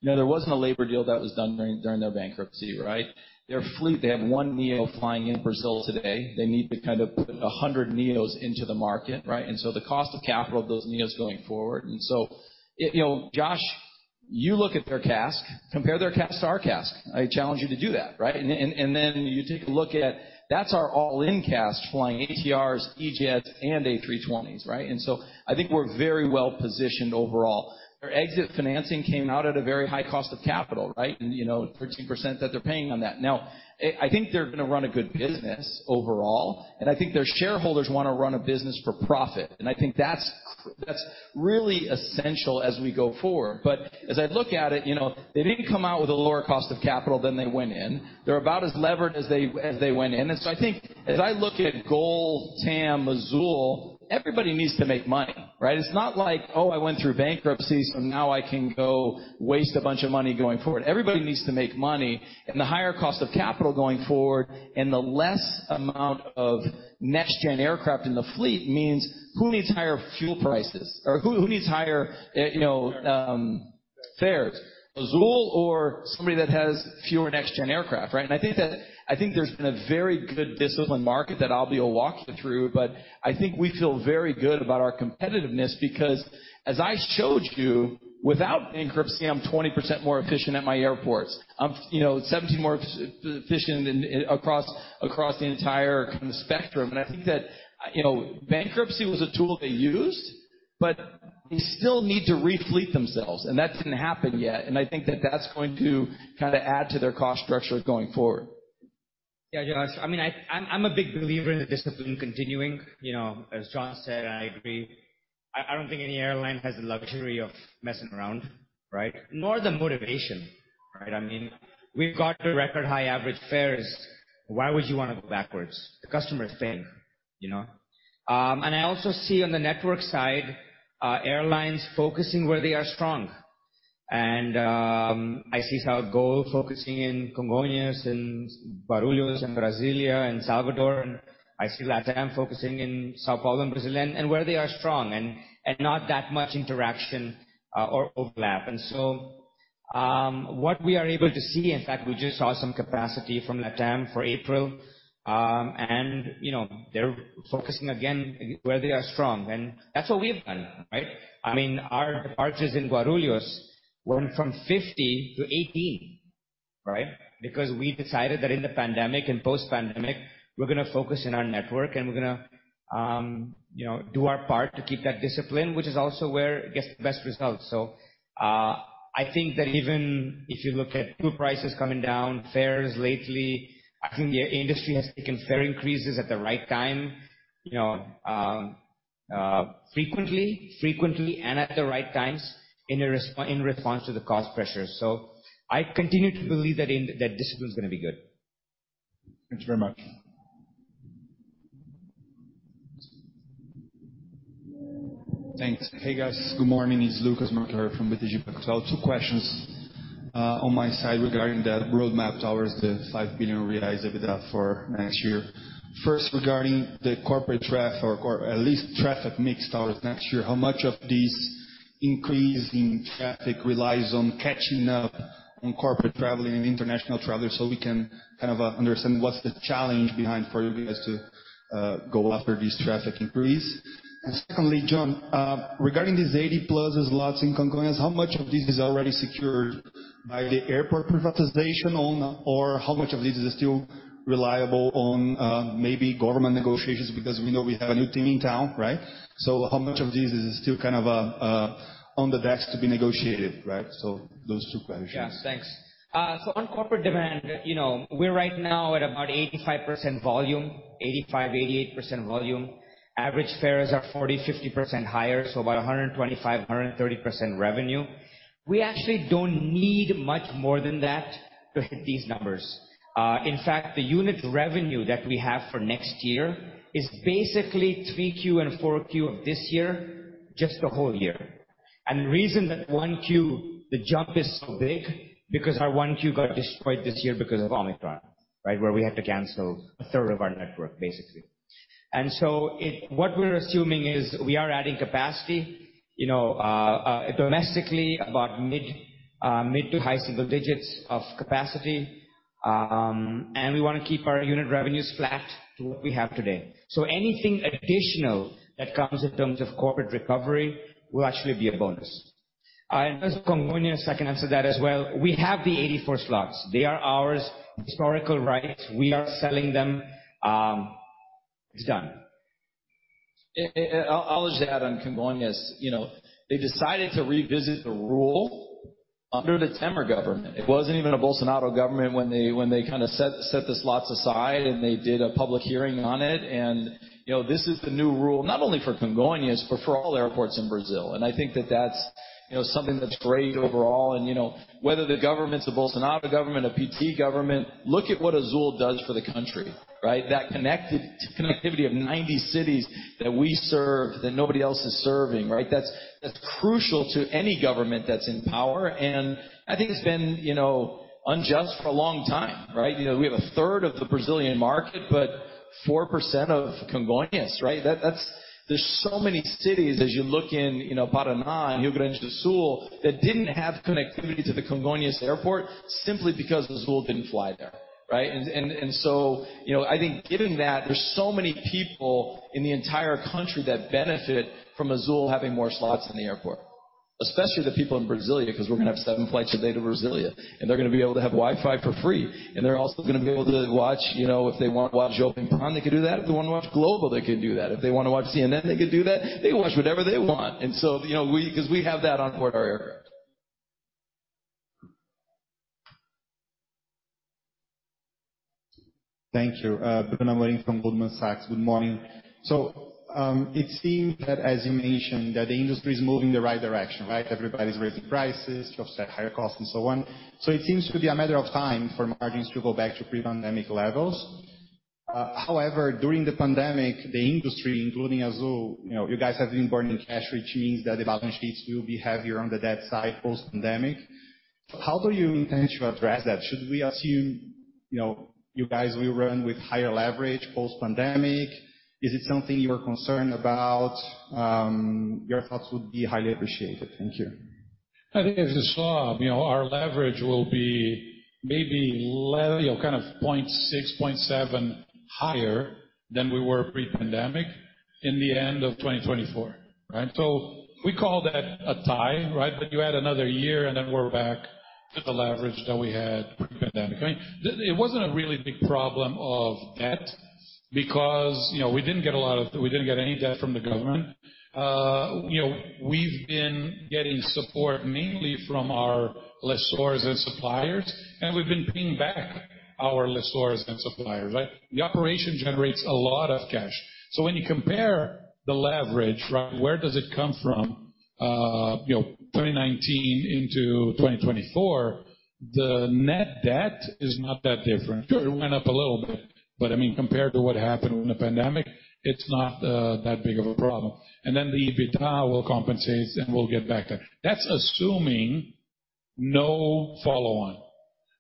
You know, there wasn't a labor deal that was done during their bankruptcy, right? Their fleet, they have one NEO flying in Brazil today. They need to kind of put 100 NEOs into the market, right? The cost of capital of those NEOs going forward. You know, Josh, you look at their CASK, compare their CASK to our CASK. I challenge you to do that, right? Then you take a look at that's our all-in CASK flying ATRs, E-jets and A320s, right? I think we're very well-positioned overall. Their exit financing came out at a very high cost of capital, right? You know, 13% that they're paying on that. I think they're going to run a good business overall, and I think their shareholders wanna run a business for profit. I think that's really essential as we go forward. As I look at it, you know, they didn't come out with a lower cost of capital than they went in. They're about as levered as they went in. I think as I look at GOL, TAM, Azul, everybody needs to make money, right? It's not like, oh, I went through bankruptcy, so now I can go waste a bunch of money going forward. Everybody needs to make money, and the higher cost of capital going forward and the less amount of next-gen aircraft in the fleet means who needs higher fuel prices or who needs higher, you know, fares? Azul or somebody that has fewer next-gen aircraft, right? I think there's been a very good disciplined market that Abhi will walk you through, but I think we feel very good about our competitiveness because, as I showed you, without bankruptcy, I'm 20% more efficient at my airports. I'm, you know, 17% more efficient in, across the entire kind of spectrum. I think that, you know, bankruptcy was a tool they used, but they still need to refleet themselves, and that didn't happen yet. I think that that's going to kinda add to their cost structure going forward. Yeah, Josh, I mean, I'm a big believer in the discipline continuing. You know, as John said, I agree. I don't think any airline has the luxury of messing around, right? Nor the motivation, right? I mean, we've got record high average fares. Why would you wanna go backwards? The customer is king, you know. I also see on the network side, airlines focusing where they are strong. I see GOL focusing in Congonhas and Guarulhos and Brasília and Salvador, and I see LATAM focusing in São Paulo and Brazil and where they are strong and not that much interaction or overlap. What we are able to see, in fact, we just saw some capacity from LATAM for April, you know, they're focusing again where they are strong, and that's what we have done, right? I mean, our departures in Guarulhos went from 50 to 18, right? We decided that in the pandemic and post-pandemic, we're gonna focus in our network, and we're gonna, you know, do our part to keep that discipline, which is also where it gets the best results. I think that even if you look at fuel prices coming down, fares lately, I think the industry has taken fare increases at the right time, you know, frequently and at the right times in response to the cost pressures. I continue to believe that that discipline is gonna be good. Thanks very much. Thanks. Hey, guys. Good morning. It's Lucas Marquiori from BTG Pactual. Two questions on my side regarding the roadmap towards the 5 billion reais EBITDA for next year. First, regarding the corporate or at least traffic mix towards next year, how much of this increase in traffic relies on catching up on corporate traveling and international travel so we can kind of understand what's the challenge behind for you guys to go after these traffic increase? Secondly, John, regarding these 80-plus slots in Congonhas, how much of this is already secured by the airport privatization owner, or how much of this is still reliable on maybe government negotiations? We know we have a new team in town, right? How much of this is still kind of on the decks to be negotiated, right? Those two questions. Yeah. Thanks. On corporate demand, you know, we're right now at about 85% volume, 85%-88% volume. Average fares are 40%-50% higher, about 125%-130% revenue. We actually don't need much more than that to hit these numbers. In fact, the unit revenue that we have for next year is basically 3Q and 4Q of this year, just the whole year. The reason that 1Q, the jump is so big because our 1Q got destroyed this year because of Omicron, right? Where we had to cancel a third of our network, basically. What we're assuming is we are adding capacity, you know, domestically about mid to high single digits of capacity. We wanna keep our unit revenues flat to what we have today. Anything additional that comes in terms of corporate recovery will actually be a bonus. As Congonhas, I can answer that as well. We have the 84 slots. They are ours, historical rights. We are selling them, it's done. I'll just add on Congonhas, you know, they decided to revisit the rule under the Temer government. It wasn't even a Bolsonaro government when they kinda set the slots aside, and they did a public hearing on it. You know, this is the new rule, not only for Congonhas, but for all airports in Brazil. I think that that's, you know, something that's great overall. You know, whether the government's a Bolsonaro government, a PT government, look at what Azul does for the country, right? That connected-connectivity of 90 cities that we serve that nobody else is serving, right? That's crucial to any government that's in power, and I think it's been, you know, unjust for a long time, right? You know, we have 1/3 of the Brazilian market, but 4% of Congonhas, right? There's so many cities as you look in, you know, Paraná and Rio Grande do Sul that didn't have connectivity to the Congonhas Airport simply because Azul didn't fly there, right? You know, I think given that, there's so many people in the entire country that benefit from Azul having more slots in the airport, especially the people in Brasília, 'cause we're gonna have seven flights a day to Brasília, and they're gonna be able to have Wi-Fi for free, and they're also gonna be able to watch, you know, if they wanna watch Globoplay, they can do that. If they wanna watch Globo, they can do that. If they wanna watch CNN, they can do that. They watch whatever they want. You know, 'cause we have that on board our aircraft. Thank you. Bruno Amorim from Goldman Sachs. Good morning. It seems that as you mentioned, that the industry is moving in the right direction, right? Everybody's raising prices to offset higher costs and so on. It seems to be a matter of time for margins to go back to pre-pandemic levels. However, during the pandemic, the industry, including Azul, you know, you guys have been burning cash, which means that the balance sheets will be heavier on the debt side post-pandemic. How do you intend to address that? Should we assume, you know, you guys will run with higher leverage post-pandemic? Is it something you're concerned about? Your thoughts would be highly appreciated. Thank you. I think as you saw, you know, our leverage will be maybe, you know, kind of 0.6, 0.7 higher than we were pre-pandemic in the end of 2024, right? We call that a tie, right? You add another year, then we're back to the leverage that we had pre-pandemic. I mean, it wasn't a really big problem of debt because, you know, we didn't get any debt from the government. You know, we've been getting support mainly from our lessors and suppliers, and we've been paying back our lessors and suppliers, right? The operation generates a lot of cash. When you compare the leverage, right, where does it come from, you know, 2019 into 2024, the net debt is not that different. Sure, it went up a little bit, but, I mean, compared to what happened in the pandemic, it's not that big of a problem. The EBITDA will compensate, and we'll get back there. That's assuming no follow-on.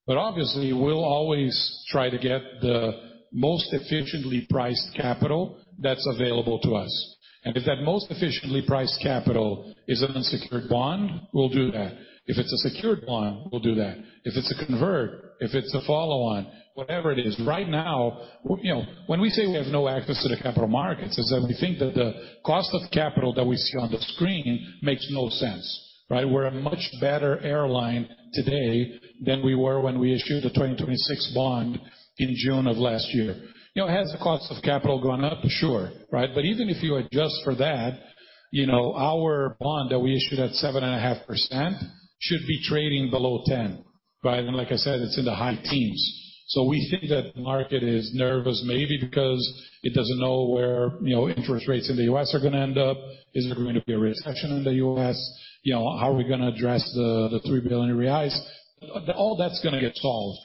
Obviously, we'll always try to get the most efficiently priced capital that's available to us. If that most efficiently priced capital is an unsecured bond, we'll do that. If it's a secured bond, we'll do that. If it's a convert, if it's a follow-on, whatever it is. Right now, you know, when we say we have no access to the capital markets, is that we think that the cost of capital that we see on the screen makes no sense, right? We're a much better airline today than we were when we issued the 2026 bond in June of last year. You know, has the cost of capital gone up? Sure, right? Even if you adjust for that, you know, our bond that we issued at 7.5% should be trading below 10, right? Like I said, it's in the high teens. We think that the market is nervous, maybe because it doesn't know where, you know, interest rates in the U.S. are gonna end up. Is there going to be a recession in the U.S.? You know, how are we gonna address the 3 billion reais? All that's gonna get solved,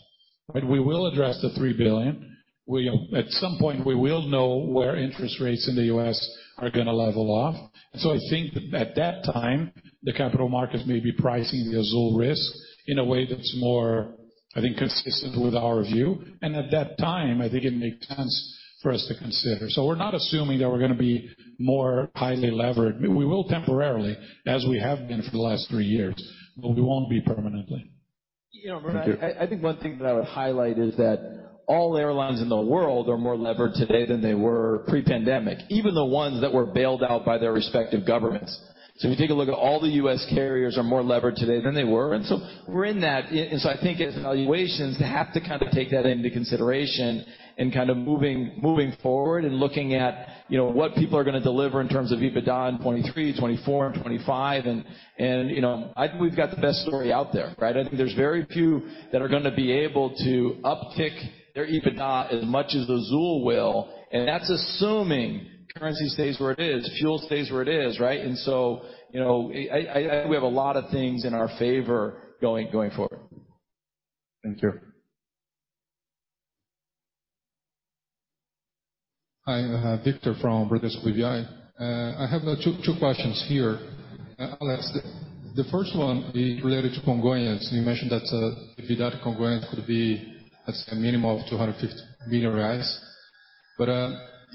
right? We will address the 3 billion. We, you know, at some point, we will know where interest rates in the U.S. are gonna level off. I think that at that time, the capital markets may be pricing the Azul risk in a way that's more, I think, consistent with our view. At that time, I think it makes sense for us to consider. We're not assuming that we're gonna be more highly levered. We will temporarily, as we have been for the last three years, but we won't be permanently. You know, I think one thing that I would highlight is that all airlines in the world are more levered today than they were pre-pandemic, even the ones that were bailed out by their respective governments. If you take a look at all the U.S. carriers are more levered today than they were. We're in that. I think as valuations, they have to kind of take that into consideration in kind of moving forward and looking at, you know, what people are gonna deliver in terms of EBITDA in 2023, 2024 and 2025. You know, I think we've got the best story out there, right? I think there's very few that are gonna be able to uptick their EBITDA as much as Azul will, and that's assuming currency stays where it is, fuel stays where it is, right? You know, I think we have a lot of things in our favor going forward. Thank you. Victor from Bradesco BBI. I have two questions here. Alex, the first one is related to Congonhas. You mentioned that EBITDA Congonhas could be as a minimum of 250 million reais.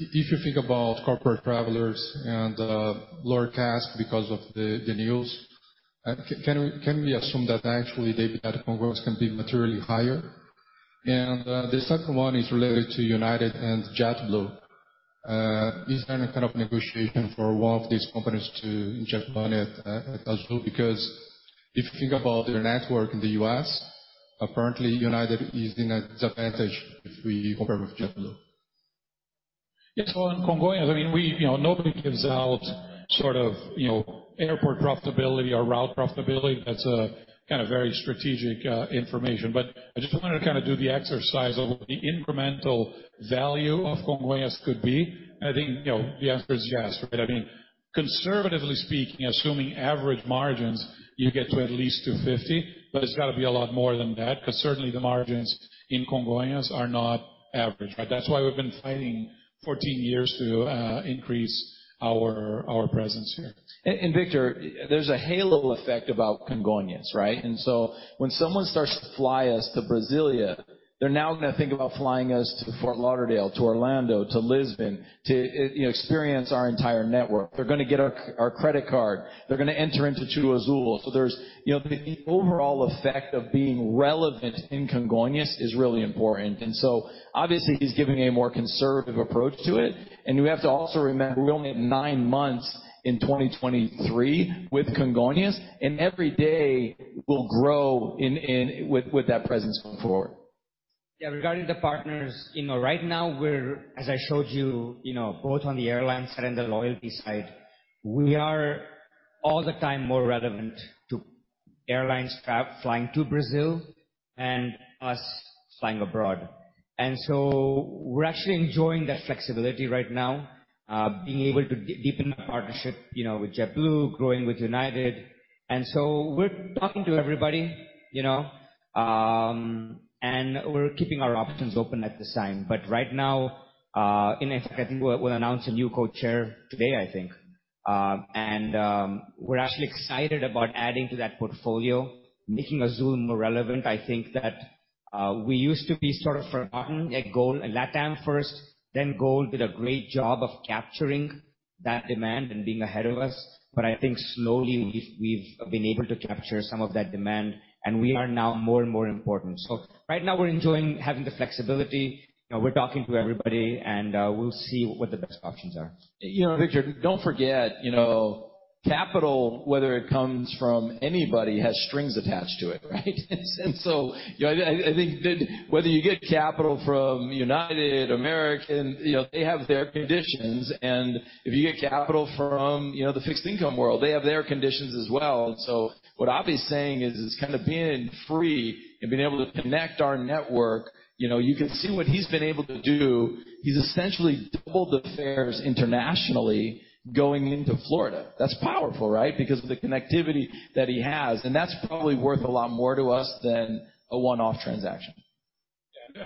If you think about corporate travelers and lower CASK because of the news, can we assume that actually EBITDA Congonhas can be materially higher? The second one is related to United and JetBlue. Is there any kind of negotiation for one of these companies to inject money at Azul? If you think about their network in the U.S., apparently United is in a disadvantage if we compare with JetBlue. Yes. Well, in Congonhas, I mean, we, you know, nobody gives out sort of, you know, airport profitability or route profitability. That's a kind of very strategic information. I just wanted to kind of do the exercise of what the incremental value of Congonhas could be. I think, you know, the answer is yes, right? I mean, conservatively speaking, assuming average margins, you get to at least 250, but it's gotta be a lot more than that, because certainly the margins in Congonhas are not average, right? That's why we've been fighting 14 years to increase our presence here. Victor, there's a halo effect about Congonhas, right? When someone starts to fly us to Brasília, they're now gonna think about flying us to Fort Lauderdale, to Orlando, to Lisbon, to, you know, experience our entire network. They're gonna get our credit card. They're gonna enter into TudoAzul. There's, you know, the overall effect of being relevant in Congonhas is really important. Obviously he's giving a more conservative approach to it. You have to also remember, we only have 9 months in 2023 with Congonhas, and every day we'll grow with that presence going forward. Yeah, regarding the partners, you know, right now we're, as I showed you know, both on the airline side and the loyalty side, we are all the time more relevant to airlines flying to Brazil and us flying abroad. We're actually enjoying that flexibility right now, being able to de-deepen the partnership, you know, with JetBlue, growing with United. We're talking to everybody, you know, and we're keeping our options open at this time. Right now, in effect, I think we'll announce a new co-chair today, I think. We're actually excited about adding to that portfolio, making Azul more relevant. I think that we used to be sort of forgotten at GOL and LATAM first, then GOL did a great job of capturing that demand and being ahead of us, but I think slowly we've been able to capture some of that demand, and we are now more and more important. Right now we're enjoying having the flexibility. You know, we're talking to everybody, and we'll see what the best options are. You know, Victor, don't forget, you know, capital, whether it comes from anybody, has strings attached to it, right? You know, I, I think that whether you get capital from United, American, you know, they have their conditions, and if you get capital from, you know, the fixed income world, they have their conditions as well. What Abi's saying is kind of being free and being able to connect our network, you know, you can see what he's been able to do. He's essentially doubled the fares internationally going into Florida. That's powerful, right? Because of the connectivity that he has, and that's probably worth a lot more to us than a one-off transaction.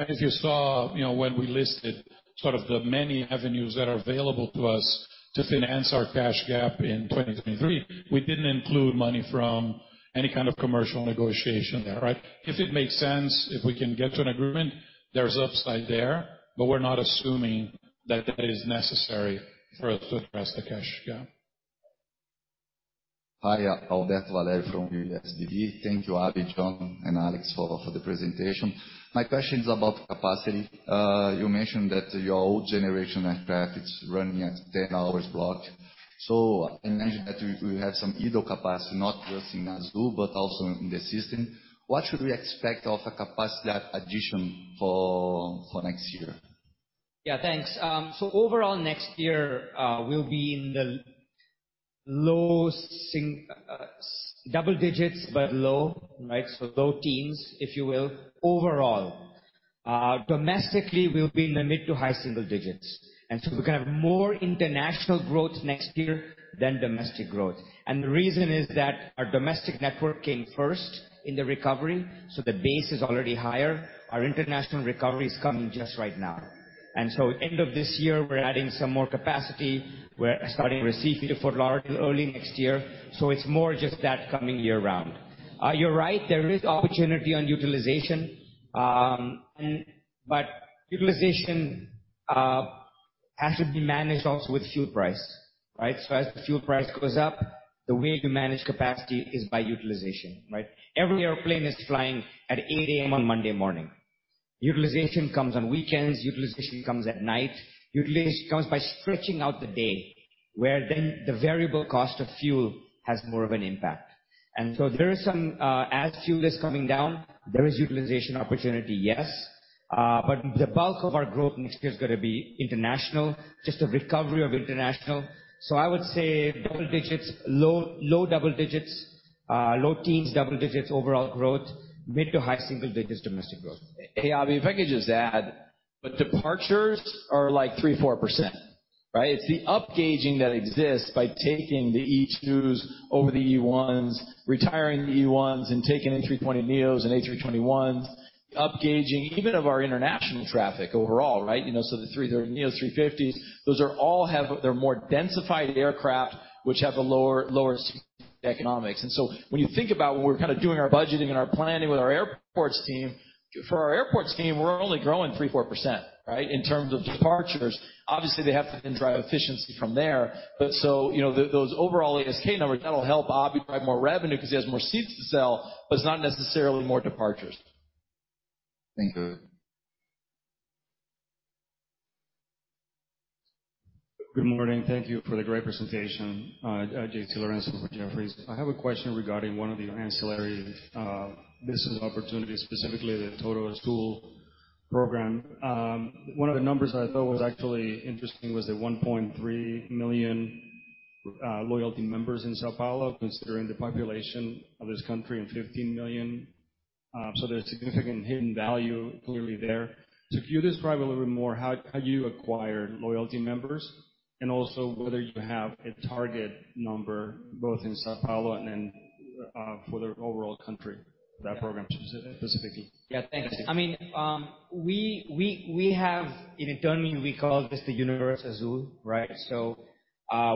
As you saw, you know, when we listed sort of the many avenues that are available to us to finance our cash gap in 2023, we didn't include money from any kind of commercial negotiation there, right? If it makes sense, if we can get to an agreement, there's upside there, but we're not assuming that that is necessary for us to address the cash gap. Hi, Alberto Valerio from UBS BB. Thank you, Abhi, John, and Alex for the presentation. My question is about capacity. You mentioned that your old generation aircraft is running at 10 hours block. I imagine that we have some idle capacity, not just in Azul, but also in the system. What should we expect of a capacity addition for next year? Yeah, thanks. So overall next year, we'll be in the low double digits, but low, right? So low teens, if you will, overall. Domestically, we'll be in the mid to high single digits. We're gonna have more international growth next year than domestic growth. The reason is that our domestic network came first in the recovery, so the base is already higher. Our international recovery is coming just right now. End of this year, we're adding some more capacity. We're starting Recife to Fort Lauderdale early next year. It's more just that coming year round. You're right, there is opportunity on utilization, but utilization has to be managed also with fuel price, right? As the fuel price goes up, the way you manage capacity is by utilization, right? Every airplane is flying at 8:00 A.M. on Monday morning. Utilization comes on weekends, utilization comes at night, utilization comes by stretching out the day, where then the variable cost of fuel has more of an impact. There is some. As fuel is coming down, there is utilization opportunity, yes. The bulk of our growth next year is gonna be international, just the recovery of international. I would say double digits, low double digits, low teens, double digits overall growth, mid to high single digits domestic growth. Hey, Abhi, if I could just add, the departures are like 3%, 4%, right? It's the upgauging that exists by taking the E2s over the E1s, retiring the E1s and taking A320neos and A321s. Upgauging even of our international traffic overall, right? You know, the A350s, those are all they're more densified aircraft which have lower economics. When you think about when we're kinda doing our budgeting and our planning with our airports team, for our airports team, we're only growing 3%, 4%, right? In terms of departures. Obviously, they have to then drive efficiency from there. You know, those overall ASKs numbers, that'll help Abhi drive more revenue 'cause he has more seats to sell, but it's not necessarily more departures. Thank you. Good morning. Thank you for the great presentation. Juan Lorenzo from Jefferies. I have a question regarding one of the ancillary business opportunities, specifically the TudoAzul program. One of the numbers that I thought was actually interesting was the 1.3 million loyalty members in São Paulo, considering the population of this country and 15 million. There's significant hidden value clearly there. Could you describe a little bit more how you acquire loyalty members and also whether you have a target number both in São Paulo and then for the overall country, that program specifically? Thanks. I mean, we have, in internal, we call this the Universo Azul, right?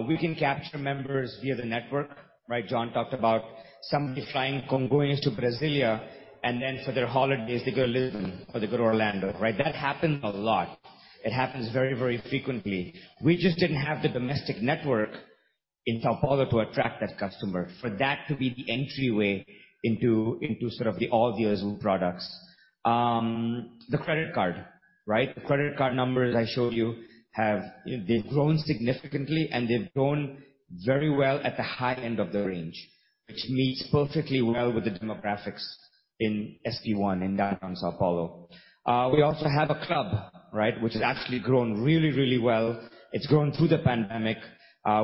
We can capture members via the network, right? John talked about somebody flying Congonhas to Brasília, and then for their holidays, they go to Lisbon or they go to Orlando, right? That happens a lot. It happens very, very frequently. We just didn't have the domestic network in São Paulo to attract that customer, for that to be the entryway into sort of the all the Azul products. The credit card, right? The credit card numbers I showed you They've grown significantly, and they've grown very well at the high end of the range, which meets perfectly well with the demographics in SP1, in Downtown São Paulo. We also have a club, right? Which has actually grown really, really well. It's grown through the pandemic,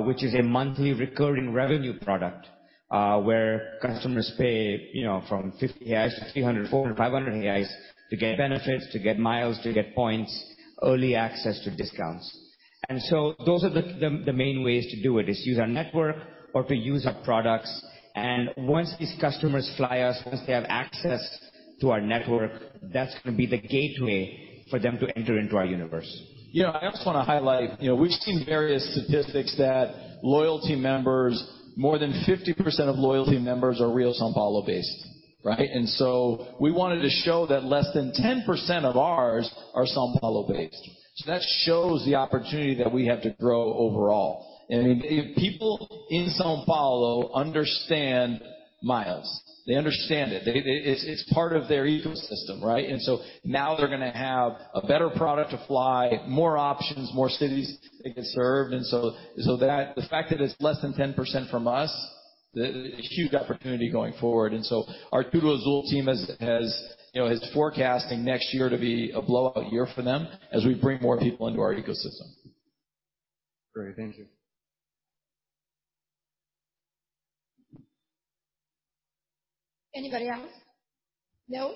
which is a monthly recurring revenue product, where customers pay, you know, from 50 reais to 300 BRL, 400 BRL, 500 reais to get benefits, to get miles, to get points, early access to discounts. Those are the main ways to do it, is use our network or to use our products. Once these customers fly us, once they have access to our network, that's gonna be the gateway for them to enter into our Universo. You know, I also wanna highlight, you know, we've seen various statistics that loyalty members, more than 50% of loyalty members are Rio São Paulo-based, right? We wanted to show that less than 10% of ours are São Paulo-based. That shows the opportunity that we have to grow overall. I mean, people in São Paulo understand miles. They understand it. They... It's, it's part of their ecosystem, right? Now they're gonna have a better product to fly, more options, more cities they can serve. That... The fact that it's less than 10% from us, huge opportunity going forward. Our TudoAzul team has, you know, is forecasting next year to be a blowout year for them as we bring more people into our ecosystem. Great. Thank you. Anybody else? No.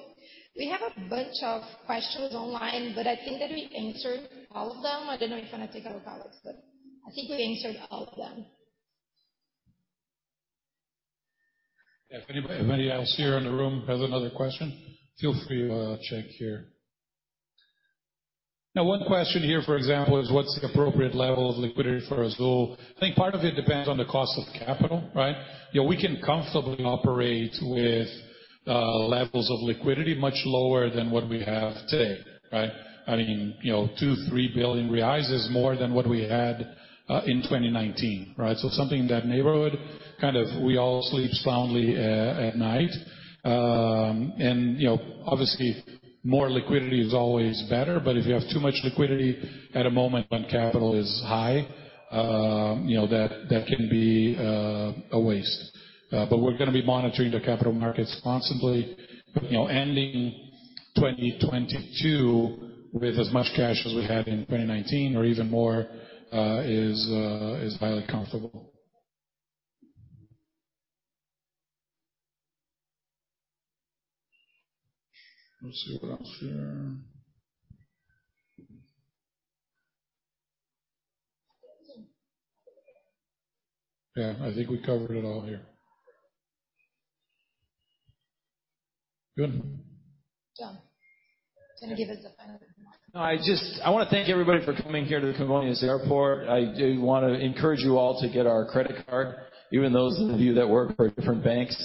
We have a bunch of questions online, but I think that we answered all of them. I don't know if wanna take a look, Alex, but I think we answered all of them. Yeah. If anybody else here in the room has another question, feel free to check here. One question here, for example, is what's the appropriate level of liquidity for Azul? I think part of it depends on the cost of capital, right? You know, we can comfortably operate with levels of liquidity much lower than what we have today, right? I mean, you know, 2 billion-3 billion reais is more than what we had in 2019, right? Something in that neighborhood, kind of we all sleep soundly at night. You know, obviously more liquidity is always better, but if you have too much liquidity at a moment when capital is high, you know, that can be a waste. We're gonna be monitoring the capital markets constantly. You know, ending 2022 with as much cash as we had in 2019 or even more, is highly comfortable. Let's see what else here. Yeah. I think we covered it all here. Good. John, do you wanna give us a final remark? No. I just wanna thank everybody for coming here to the Congonhas Airport. I do wanna encourage you all to get our credit card, even those of you that work for different banks,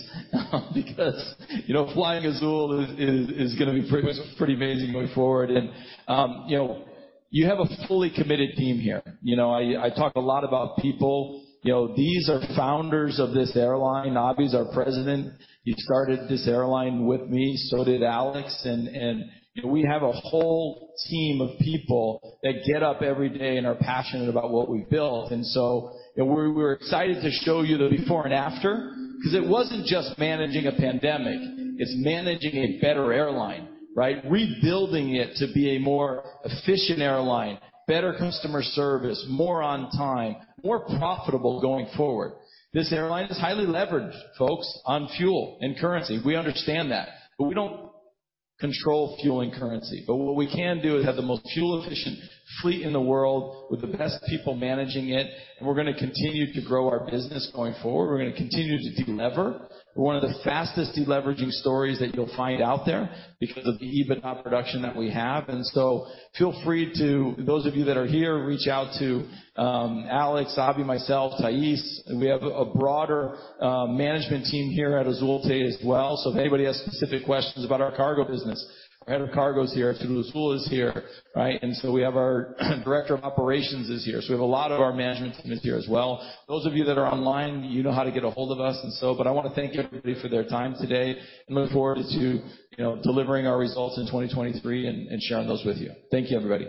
because, you know, flying Azul is gonna be pretty amazing going forward. You know, you have a fully committed team here. You know, I talk a lot about people. You know, these are founders of this airline. Abi is our President. He started this airline with me, so did Alex. You know, we have a whole team of people that get up every day and are passionate about what we've built. We're excited to show you the before and after, 'cause it wasn't just managing a pandemic, it's managing a better airline, right? Rebuilding it to be a more efficient airline, better customer service, more on time, more profitable going forward. This airline is highly leveraged, folks, on fuel and currency. We understand that. We don't control fuel and currency. What we can do is have the most fuel-efficient fleet in the world with the best people managing it, and we're gonna continue to grow our business going forward. We're gonna continue to delever. We're one of the fastest deleveraging stories that you'll find out there because of the EBITDA production that we have. Feel free to, those of you that are here, reach out to Alex, Abhi, myself, Thais. We have a broader management team here at Azul as well. If anybody has specific questions about our cargo business, our head of cargo is here. TudoAzul is here, right? We have our Director of Operations is here. We have a lot of our management team is here as well. Those of you that are online, you know how to get ahold of us. I wanna thank everybody for their time today and look forward to, you know, delivering our results in 2023 and sharing those with you. Thank you, everybody.